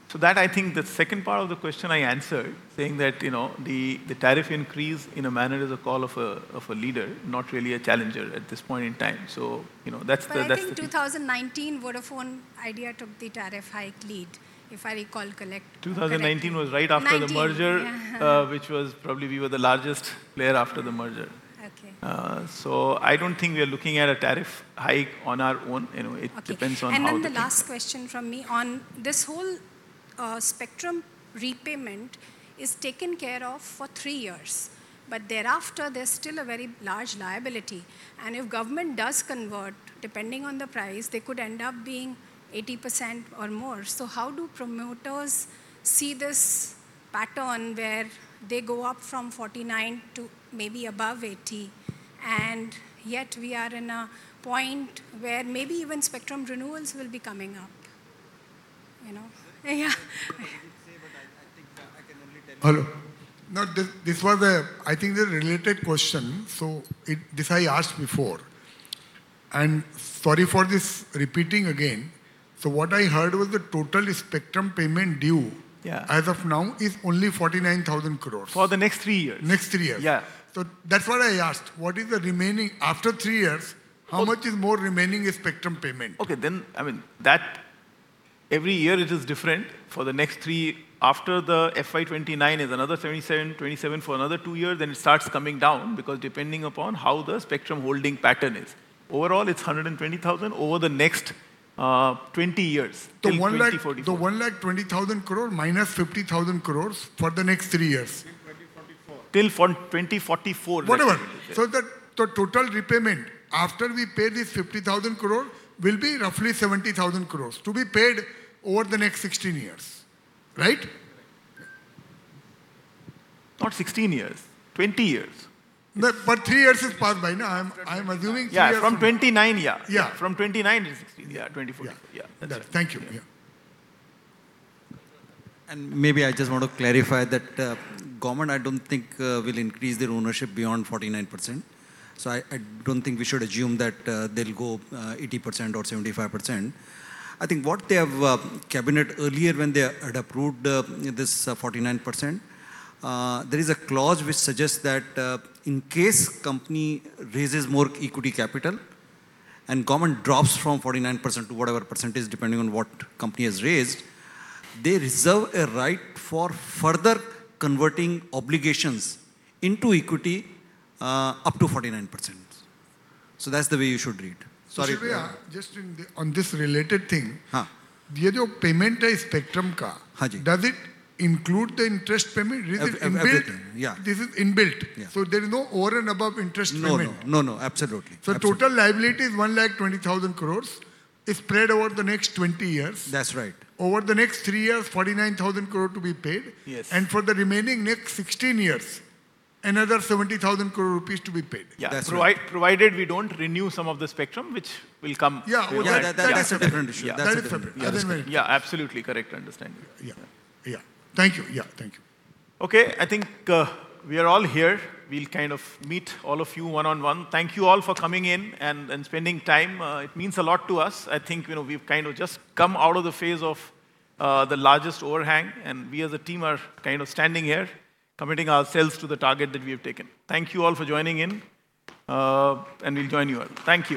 So that, I think the second part of the question I answered, saying that, you know, the tariff increase in a manner is a call of a leader, not really a challenger at this point in time. So, you know, that's the— But I think 2019, Vodafone Idea took the tariff hike lead, if I recall, correctly. 2019 was right after- Nineteen the merger. Yeah. which was probably we were the largest player after the merger. Okay. So, I don't think we are looking at a tariff hike on our own. You know, it- Okay depends on how the- And then the last question from me. On this whole, spectrum repayment is taken care of for three years, but thereafter, there's still a very large liability, and if government does convert, depending on the price, they could end up being 80% or more. So how do promoters see this pattern where they go up from 49 to maybe above 80, and yet we are in a point where maybe even spectrum renewals will be coming up? You know? Yeah. I think I can only tell you- Hello. No, this was a, I think a related question, so it... This, I asked before, and sorry for this repeating again. So what I heard was the total Spectrum payment due- Yeah as of now is only 49,000 crore. For the next three years. Next three years? Yeah. That's what I asked. What is the remaining, after three years, how much is more remaining in spectrum payment? Okay, then, I mean, that every year it is different. For the next three, after the FY 2029 is another 77, 27 for another two years, then it starts coming down because depending upon how the spectrum holding pattern is. Overall, it's 120,000 over the next twenty years, till 2044. The 120,000 crore minus 50,000 crore for the next three years. Till 2044. Till 2044. Whatever. So the total repayment after we pay this 50,000 crore will be roughly 70,000 crores, to be paid over the next 16 years, right? Not 16 years, 20 years. But three years is passed by now. I'm assuming three years- Yeah, from 29, yeah. Yeah. From 29 is 16, yeah, 2044. Yeah. Yeah, that's right. Thank you. Yeah. And maybe I just want to clarify that, government I don't think will increase their ownership beyond 49%. So I, I don't think we should assume that, they'll go 80% or 75%. I think what they have cabinet earlier when they had approved this 49%, there is a clause which suggests that in case company raises more equity capital and government drops from 49% to whatever percentage, depending on what company has raised, they reserve a right for further converting obligations into equity up to 49%. So that's the way you should read. Sorry- Just on this related thing- Huh. The other payment spectrum car- How do you? Does it include the interest payment? Everything. Is it built-in? Yeah. This is inbuilt. Yeah. There is no over and above interest payment? No, no. No, no, absolutely. Total liability is 120,000 crore, spread over the next 20 years. That's right. Over the next 3 years, 49,000 crore to be paid. Yes. For the remaining next 16 years, another 70,000 crore rupees to be paid. That's right. Yeah, provided we don't renew some of the spectrum, which will come- Yeah. Yeah, that's a different issue. That is different. That is different. Yeah, absolutely correct understanding. Yeah, yeah. Thank you. Yeah, thank you. Okay, I think, we are all here. We'll kind of meet all of you one-on-one. Thank you all for coming in and spending time. It means a lot to us. I think, you know, we've kind of just come out of the phase of, the largest overhang, and we as a team are kind of standing here, committing ourselves to the target that we have taken. Thank you all for joining in, and we'll join you all. Thank you.